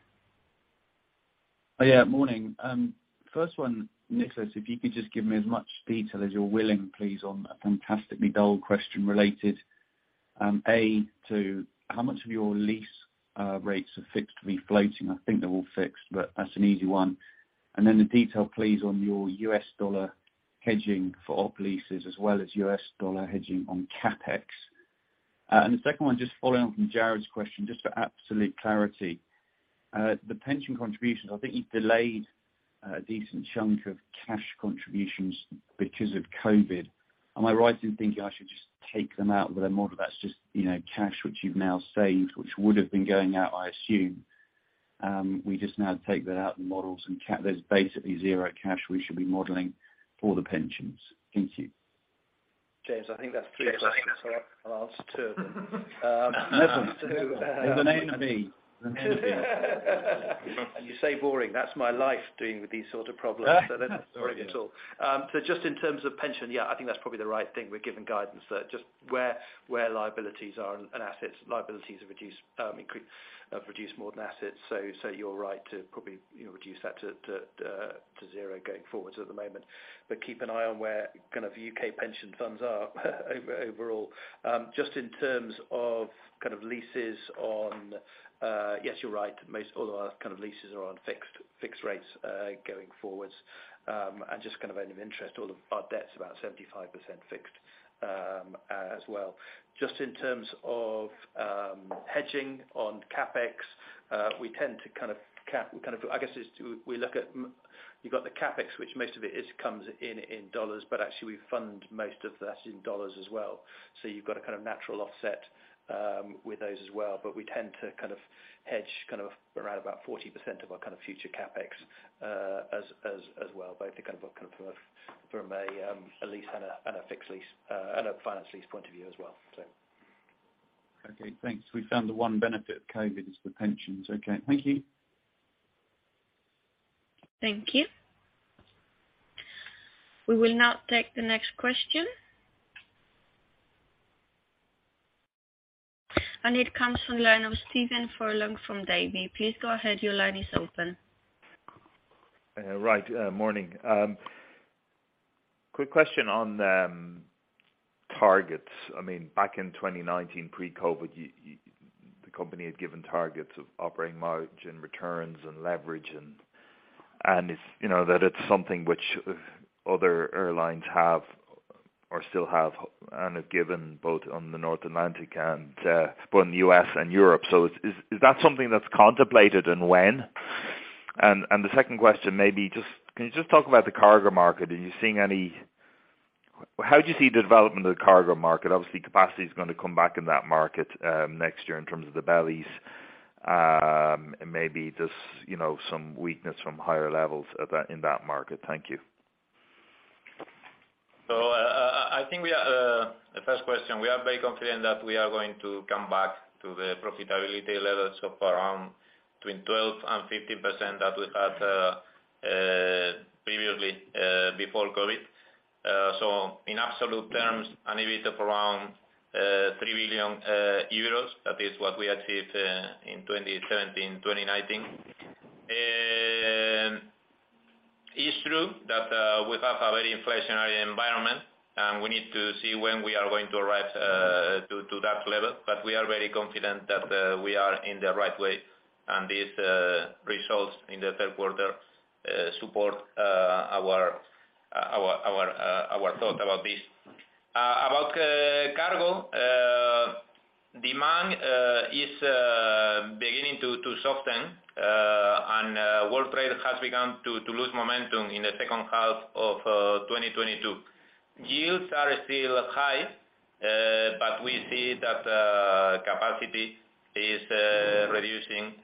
Oh, yeah. Morning. First one, Nicholas, if you could just give me as much detail as you're willing, please, on a fantastically dull question related to how much of your lease rates are fixed versus floating? I think they're all fixed, but that's an easy one. The detail, please, on your U.S. dollar hedging for op leases as well as U.S. dollar hedging on CapEx. The second one, just following on from Jarrod's question, just for absolute clarity. The pension contributions, I think you've delayed a decent chunk of cash contributions because of COVID. Am I right in thinking I should just take them out of the model that's just, you know, cash which you've now saved, which would have been going out, I assume? We just now take that out in models and there's basically zero cash we should be modeling for the pensions. Thank you. James, I think that's three questions. Yes, I think so. I'll answer two of them. No problem. They're the name of me. You say boring. That's my life dealing with these sort of problems. Sorry. They're not boring at all. Just in terms of pension, yeah, I think that's probably the right thing. We're given guidance that just where liabilities are and assets, liabilities have reduced more than assets. You're right to probably, you know, reduce that to zero going forwards at the moment. Keep an eye on where kind of U.K. pension funds are overall. Just in terms of kind of leases on, yes, you're right. Most all of our kind of leases are on fixed rates going forwards. And just kind of out of interest, all of our debt's about 75% fixed as well. Just in terms of hedging on CapEx, we tend to kind of cap, kind of. I guess it's to we look at you've got the CapEx, which most of it is, comes in dollars, but actually we fund most of that in dollars as well. You've got a kind of natural offset with those as well. We tend to kind of hedge kind of around about 40% of our kind of future CapEx as well, both to kind of from a lease and a fixed lease and a finance lease point of view as well. Okay, thanks. We found the one benefit of COVID is the pensions. Okay. Thank you. Thank you. We will now take the next question. It comes from the line of Stephen Furlong from Davy. Please go ahead. Your line is open. Morning. Quick question on targets. I mean, back in 2019 pre-COVID, the company had given targets of operating margin, returns and leverage and it's, you know, that it's something which other airlines have or still have and have given both on the North Atlantic and both in the U.S. and Europe. Is that something that's contemplated and when? The second question maybe just, can you just talk about the cargo market? Are you seeing any? How do you see the development of the cargo market? Obviously, capacity is gonna come back in that market next year in terms of the bellies. Maybe just, you know, some weakness from higher levels at that, in that market. Thank you. I think to the first question, we are very confident that we are going to come back to the profitability levels of around between 12%-15% that we had previously before COVID. In absolute terms, an EBIT of around 3 billion euros. That is what we achieved in 2017, 2019. It's true that we have a very inflationary environment, and we need to see when we are going to arrive to that level. We are very confident that we are in the right way, and these results in the third quarter support our thought about this. About cargo demand is beginning to soften, and world trade has begun to lose momentum in the second half of 2022. Yields are still high, but we see that capacity is reducing.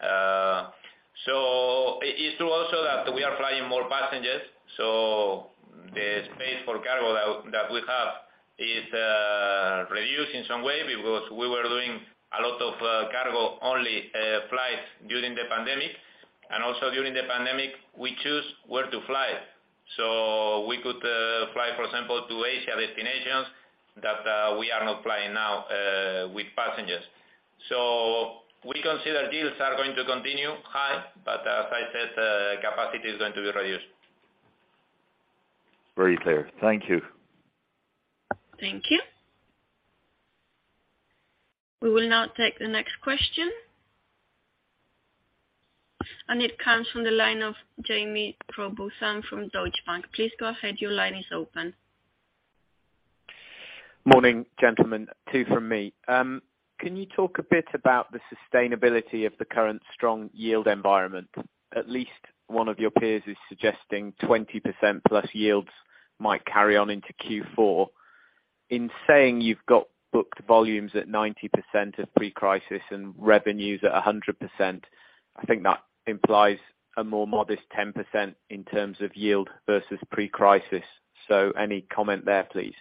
It's true also that we are flying more passengers, so the space for cargo that we have is reduced in some way because we were doing a lot of cargo-only flights during the pandemic. Also during the pandemic, we choose where to fly. We could fly, for example, to Asia destinations that we are not flying now with passengers. We consider deals are going to continue high, but as I said, capacity is going to be reduced. Very clear. Thank you. Thank you. We will now take the next question. It comes from the line of Jaime Rowbotham from Deutsche Bank. Please go ahead. Your line is open. Morning, gentlemen. Two from me. Can you talk a bit about the sustainability of the current strong yield environment? At least one of your peers is suggesting 20%+ yields might carry on into Q4. In saying you've got booked volumes at 90% of pre-crisis and revenues at 100%, I think that implies a more modest 10% in terms of yield versus pre-crisis. Any comment there, please?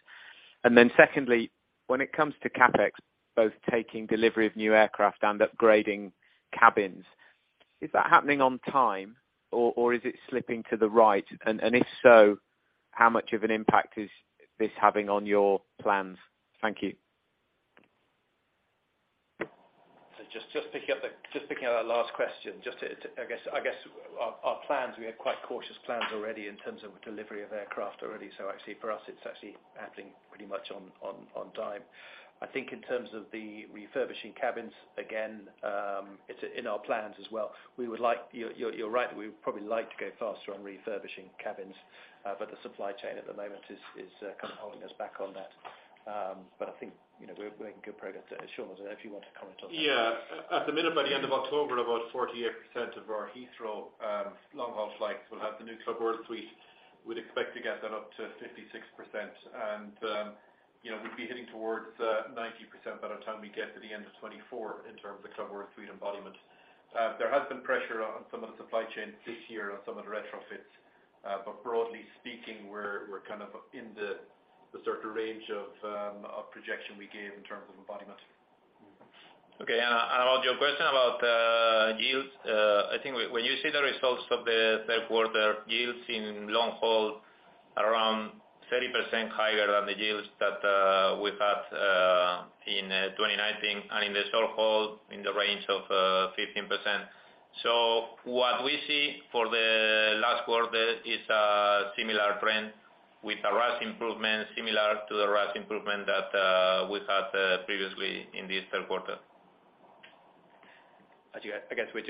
Secondly, when it comes to CapEx, both taking delivery of new aircraft and upgrading cabins, is that happening on time or is it slipping to the right? If so, how much of an impact is this having on your plans? Thank you. Just picking up that last question, I guess our plans, we had quite cautious plans already in terms of delivery of aircraft already. Actually for us, it's actually happening pretty much on time. I think in terms of the refurbishing cabins again, it's in our plans as well. We would like, you're right that we would probably like to go faster on refurbishing cabins, but the supply chain at the moment is kind of holding us back on that. I think, you know, we're in good progress. Sean, if you want to comment on that. Yeah. At the minute, by the end of October, about 48% of our Heathrow long-haul flights will have the new Club Suite. We'd expect to get that up to 56%. You know, we'd be heading towards 90% by the time we get to the end of 2024 in terms of Club Suite embodiment. There has been pressure on some of the supply chain this year on some of the retrofits. But broadly speaking, we're kind of in the sort of range of projection we gave in terms of embodiment. Okay. About your question about yields. I think when you see the results of the third quarter yields in long haul around 30% higher than the yields that we had in 2019, and in the short haul in the range of 15%. What we see for the last quarter is a similar trend with a RASK improvement similar to the RASK improvement that we had previously in this third quarter. I guess we're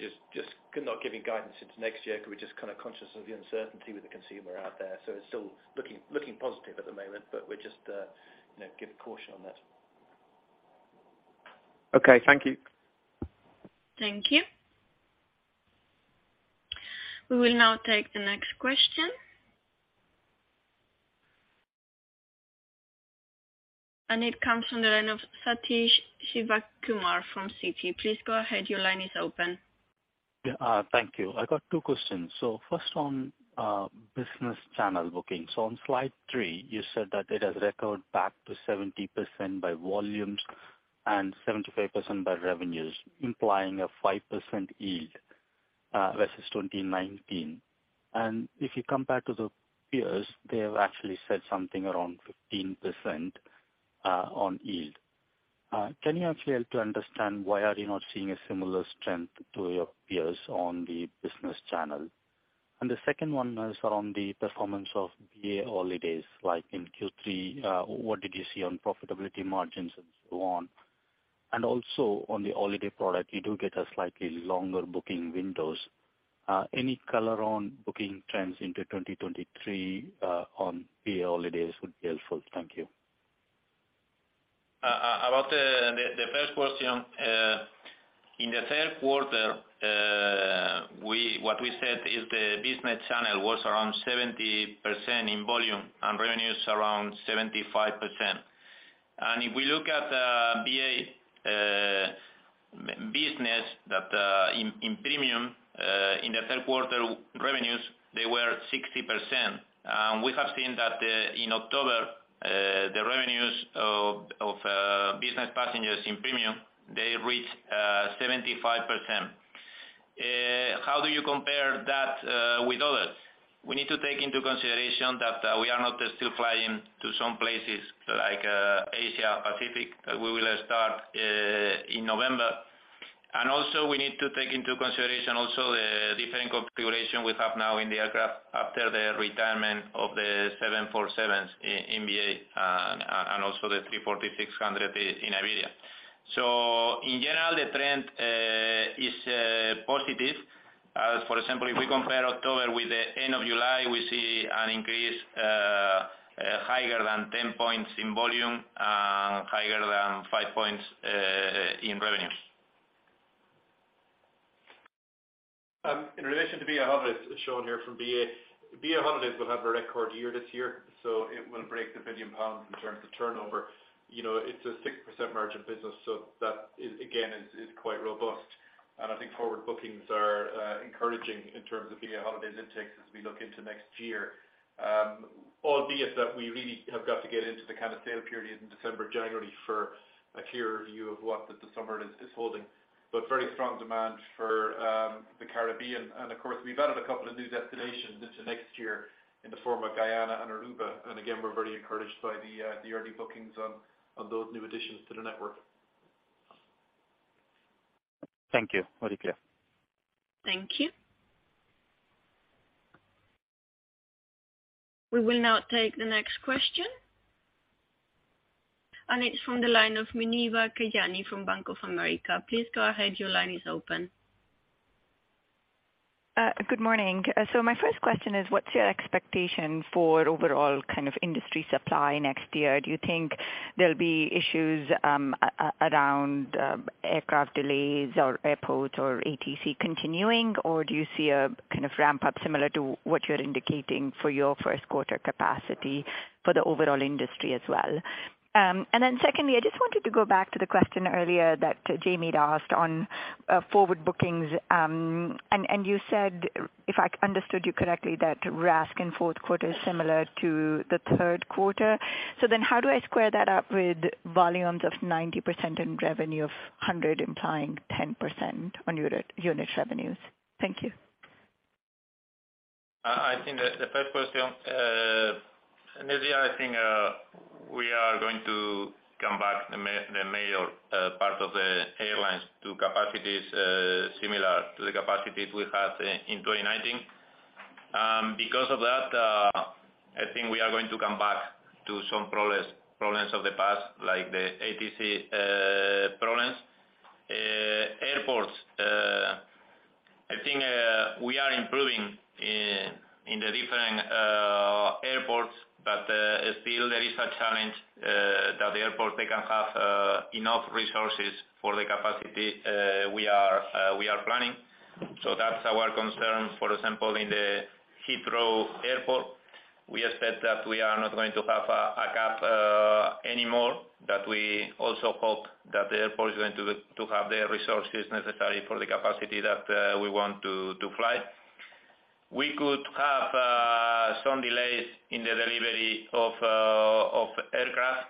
just not giving guidance into next year because we're just kind of conscious of the uncertainty with the consumer out there. It's still looking positive at the moment, but we're just, you know, give caution on that. Okay. Thank you. Thank you. We will now take the next question. It comes from the line of Sathish Sivakumar from Citi. Please go ahead. Your line is open. Yeah. Thank you. I got two questions. First on business channel bookings. On slide three, you said that it has recovered back to 70% by volumes and 75% by revenues, implying a 5% yield versus 2019. If you compare to the peers, they have actually said something around 15% on yield. Can you actually help to understand why are you not seeing a similar strength to your peers on the business channel? The second one is around the performance of BA Holidays, like in Q3, what did you see on profitability margins and so on? Also, on the holiday product, you do get a slightly longer booking windows. Any color on booking trends into 2023 on BA Holidays would be helpful. Thank you. About the first question. In the third quarter, what we said is the business channel was around 70% in volume and revenues around 75%. If we look at BA business that in premium in the third quarter revenues, they were 60%. We have seen that in October the revenues of business passengers in premium, they reached 75%. How do you compare that with others? We need to take into consideration that we are not still flying to some places like Asia Pacific. We will start in November. We need to take into consideration also the different configuration we have now in the aircraft after the retirement of the 747s in BA and also the 340-600 in Iberia. In general, the trend is positive. For example, if we compare October with the end of July, we see an increase higher than 10 points in volume and higher than 5 points in revenues. In relation to BA Holidays shown here from BA. BA Holidays will have a record year this year, so it will break 1 billion pounds in terms of turnover. You know, it's a 6% margin business, so that is, again, quite robust. I think forward bookings are encouraging in terms of BA Holidays intakes as we look into next year. Albeit that we really have got to get into the kind of sales period in December, January for a clear view of what the summer is holding. Very strong demand for the Caribbean. Of course, we've added a couple of new destinations into next year in the form of Guyana and Aruba. We're very encouraged by the early bookings on those new additions to the network. Thank you. Very clear. Thank you. We will now take the next question. It's from the line of Muneeba Kayani from Bank of America. Please go ahead. Your line is open. Good morning. My first question is, what's your expectation for overall kind of industry supply next year? Do you think there'll be issues around aircraft delays or airports or ATC continuing, or do you see a kind of ramp up similar to what you're indicating for your first quarter capacity for the overall industry as well? Secondly, I just wanted to go back to the question earlier that Jaime had asked on forward bookings. And you said, if I understood you correctly, that RASK in fourth quarter is similar to the third quarter. How do I square that up with volumes of 90% and revenue of 100 implying 10% on unit revenues? Thank you. I think that the first question, Muneeba, I think, we are going to come back the major part of the airlines to capacities similar to the capacities we had in 2019. Because of that, I think we are going to come back to some problems of the past, like the ATC problems. Airports, I think, we are improving in the different airports, but still there is a challenge that the airport they can have enough resources for the capacity we are planning. That's our concern. For example, in the Heathrow Airport, we expect that we are not going to have a cap anymore, that we also hope that the airport is going to have the resources necessary for the capacity that we want to fly. We could have some delays in the delivery of aircraft,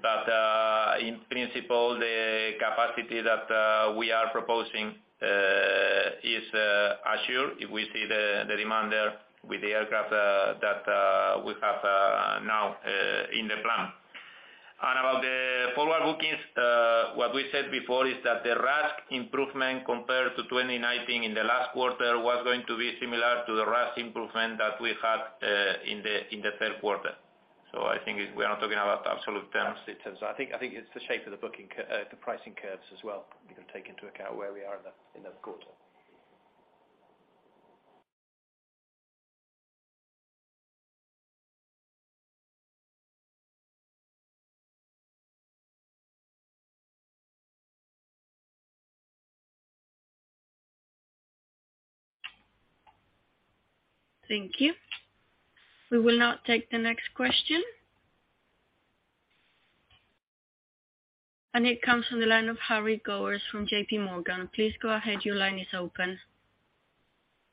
but in principle, the capacity that we are proposing is assured if we see the demand there with the aircraft that we have now in the plan. About the forward bookings, what we said before is that the RASK improvement compared to 2019 in the last quarter was going to be similar to the RASK improvement that we had in the third quarter. I think we are talking about absolute terms. Absolute terms. I think it's the shape of the booking curves as well. You can take into account where we are in the quarter. Thank you. We will now take the next question. It comes from the line of Harry Gowers from J.P. Morgan. Please go ahead. Your line is open.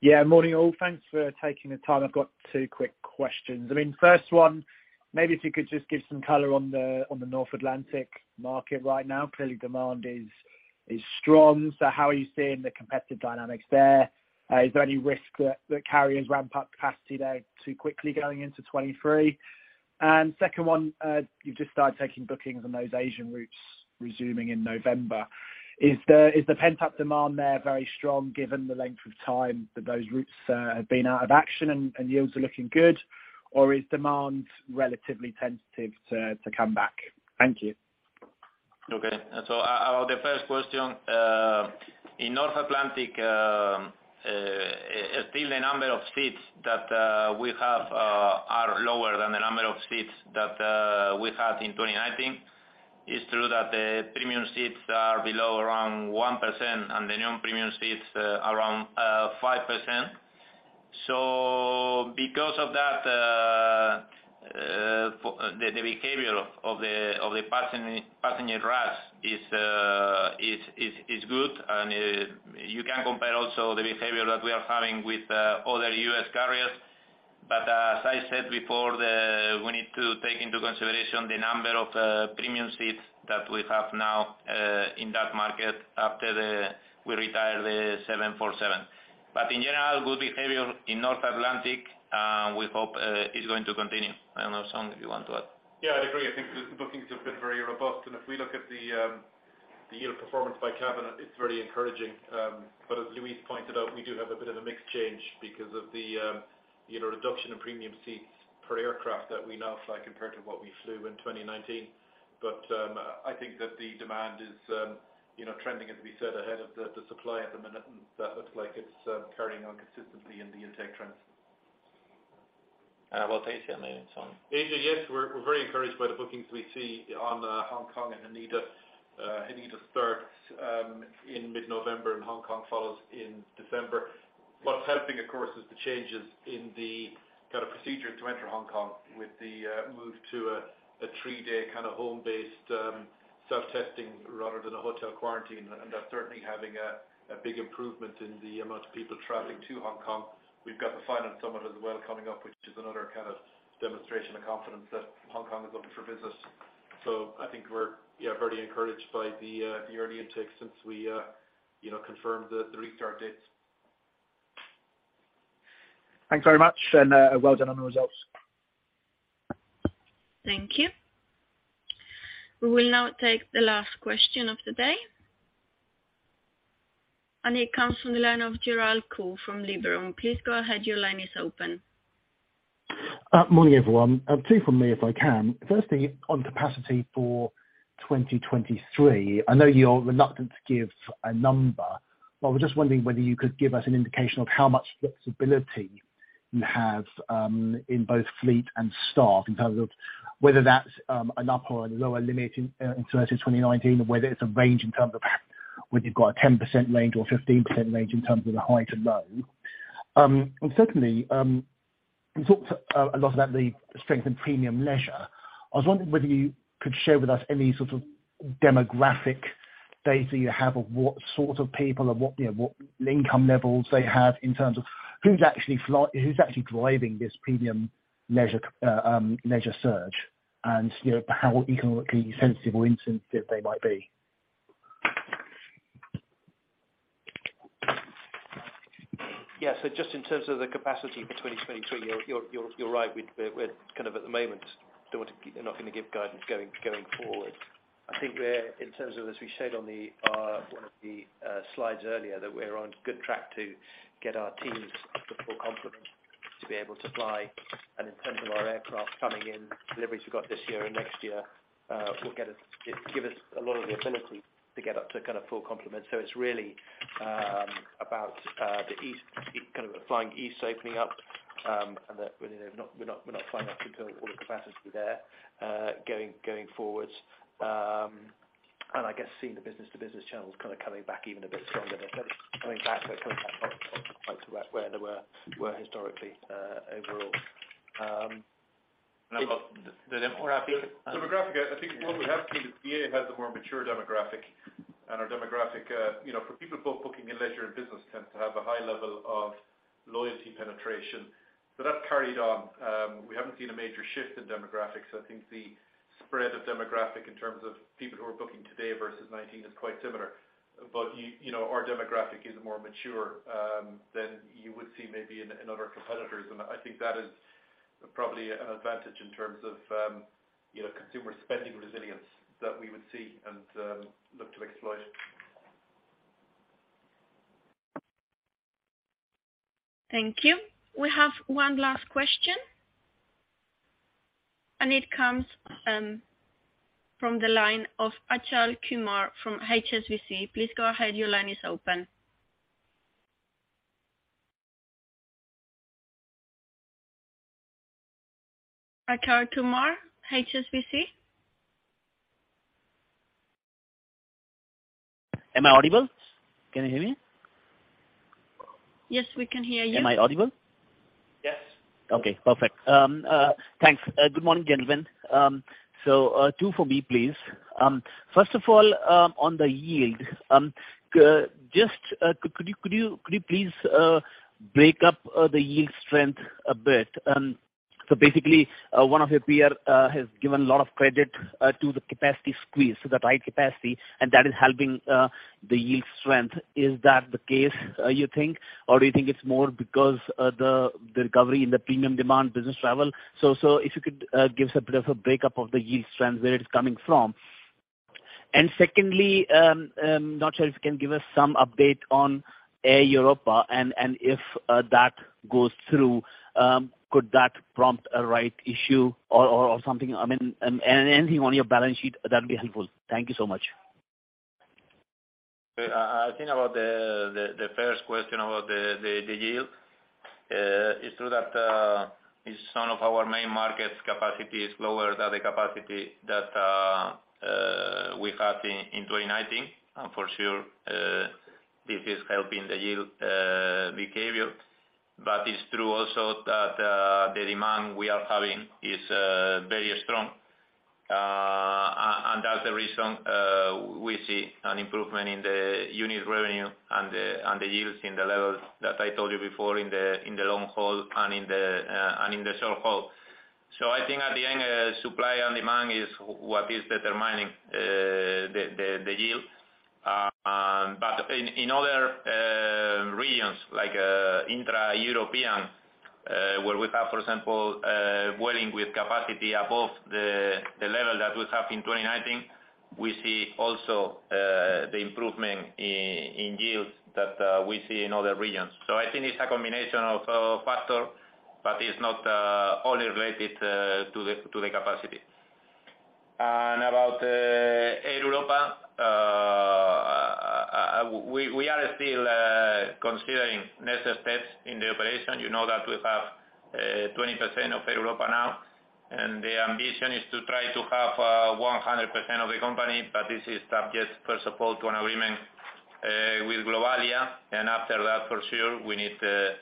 Yeah, morning all. Thanks for taking the time. I've got two quick questions. I mean, first one, maybe if you could just give some color on the North Atlantic market right now. Clearly, demand is strong. So how are you seeing the competitive dynamics there? Is there any risk that carriers ramp up capacity there too quickly going into 2023? Second one, you've just started taking bookings on those Asian routes resuming in November. Is the pent-up demand there very strong given the length of time that those routes have been out of action and yields are looking good? Or is demand relatively tentative to come back? Thank you. Okay. About the first question, in North Atlantic, still the number of seats that we have are lower than the number of seats that we had in 2019. It's true that the premium seats are below around 1% and the non-premium seats around 5%. Because of that, the behavior of the passenger RASK is good. You can compare also the behavior that we are having with other U.S. carriers. As I said before, we need to take into consideration the number of premium seats that we have now in that market after we retire the 747. In general, good behavior in North Atlantic, we hope is going to continue. I don't know, Sean, if you want to add. Yeah, I'd agree. I think the bookings have been very robust. If we look at the yield performance by cabin, it's really encouraging. But as Luis pointed out, we do have a bit of a mix change because of the you know, reduction in premium seats per aircraft that we now fly compared to what we flew in 2019. I think that the demand is you know, trending as we said ahead of the supply at the minute, and that looks like it's carrying on consistently in the intake trends. About Asia and then Sean. Asia, yes. We're very encouraged by the bookings we see on Hong Kong and Haneda. Haneda starts in mid-November and Hong Kong follows in December. What's helping, of course, is the changes in the kind of procedures to enter Hong Kong with the move to a three-day kind of home-based self-testing rather than a hotel quarantine. That's certainly having a big improvement in the amount of people traveling to Hong Kong. We've got the Finance Summit as well coming up, which is another kind of demonstration of confidence that Hong Kong is open for business. I think we're very encouraged by the early intake since we you know confirmed the restart dates. Thanks very much and well done on the results. Thank you. We will now take the last question of the day. It comes from the line of Gerald Khoo from Liberum. Please go ahead. Your line is open. Morning, everyone. Two from me, if I can. Firstly, on capacity for 2023, I know you're reluctant to give a number, but I was just wondering whether you could give us an indication of how much flexibility you have, in both fleet and staff, in terms of whether that's, an upper or lower limit in terms of 2019, or whether it's a range in terms of whether you've got a 10% range or 15% range in terms of the high to low. Secondly, you talked a lot about the strength in premium leisure. I was wondering whether you could share with us any sort of demographic data you have of what sorts of people or what, you know, what income levels they have in terms of who's actually driving this premium leisure surge, and you know, how economically sensitive or insensitive they might be. Yeah. Just in terms of the capacity for 2023, you're right. We're kind of at the moment not gonna give guidance going forward. I think we're in terms of as we showed on one of the slides earlier that we're on good track to get our teams up to full complement to be able to fly. In terms of our aircraft coming in, deliveries we got this year and next year will give us a lot of the ability to get up to kind of full complement. It's really about the East, kind of the flying East opening up, and that really we're not flying up to all the capacity there going forwards. I guess seeing the business to business channels kind of coming back even a bit stronger than coming back up to where they were historically, overall. Demographics, I think what we have seen is BA has a more mature demographic and our demographic, you know, for people both booking in leisure and business tend to have a high level of loyalty penetration. That's carried on. We haven't seen a major shift in demographics. I think the spread of demographic in terms of people who are booking today versus 2019 is quite similar. You know, our demographic is more mature than you would see maybe in other competitors. I think that is probably an advantage in terms of, you know, consumer spending resilience that we would see and look to exploit. Thank you. We have one last question, and it comes from the line of Achal Kumar from HSBC. Please go ahead. Your line is open. Achal Kumar, HSBC? Am I audible? Can you hear me? Yes, we can hear you. Am I audible? Yes. Okay, perfect. Thanks. Good morning, gentlemen. Two for me, please. First of all, on the yield, just could you please breakdown the yield strength a bit? Basically, one of your peer has given a lot of credit to the capacity squeeze, so the tight capacity, and that is helping the yield strength. Is that the case, you think? Or do you think it's more because the recovery in the premium demand business travel? If you could give us a bit of a breakdown of the yield strength, where it's coming from. Secondly, not sure if you can give us some update on Air Europa and if that goes through, could that prompt a rights issue or something? I mean, anything on your balance sheet that'd be helpful. Thank you so much. I think about the first question about the yield. It's true that in some of our main markets, capacity is lower than the capacity that we had in 2019. For sure, this is helping the yield behavior. It's true also that the demand we are having is very strong. That's the reason we see an improvement in the unit revenue and the yields in the levels that I told you before in the long haul and in the short haul. I think at the end, supply and demand is what is determining the yield. In other regions, like intra-European, where we have, for example, Vueling with capacity above the level that we have in 2019, we see also the improvement in yields that we see in other regions. I think it's a combination of factors, but it's not only related to the capacity. About Air Europa, we are still considering next steps in the operation. You know that we have 20% of Air Europa now, and the ambition is to try to have 100% of the company, but this is subject, first of all, to an agreement with Globalia. After that, for sure, we need to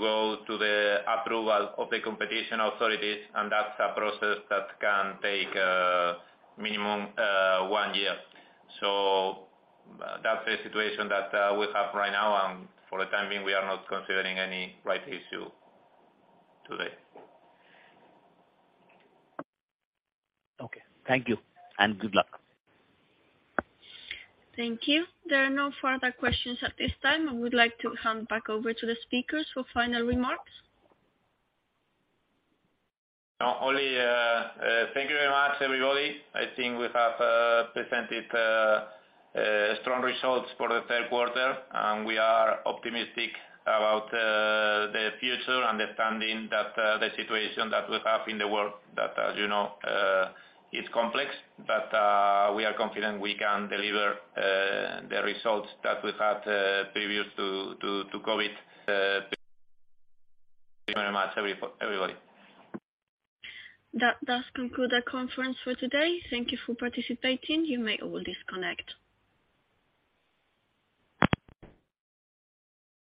go to the approval of the competition authorities, and that's a process that can take minimum one year. That's the situation that we have right now, and for the time being, we are not considering any rights issue today. Okay. Thank you and good luck. Thank you. There are no further questions at this time. I would like to hand back over to the speakers for final remarks. Thank you very much, everybody. I think we have presented strong results for the third quarter, and we are optimistic about the future, understanding that the situation that we have in the world that, as you know, is complex. We are confident we can deliver the results that we've had previous to COVID. Thank you very much everybody. That does conclude our conference for today. Thank you for participating. You may all disconnect.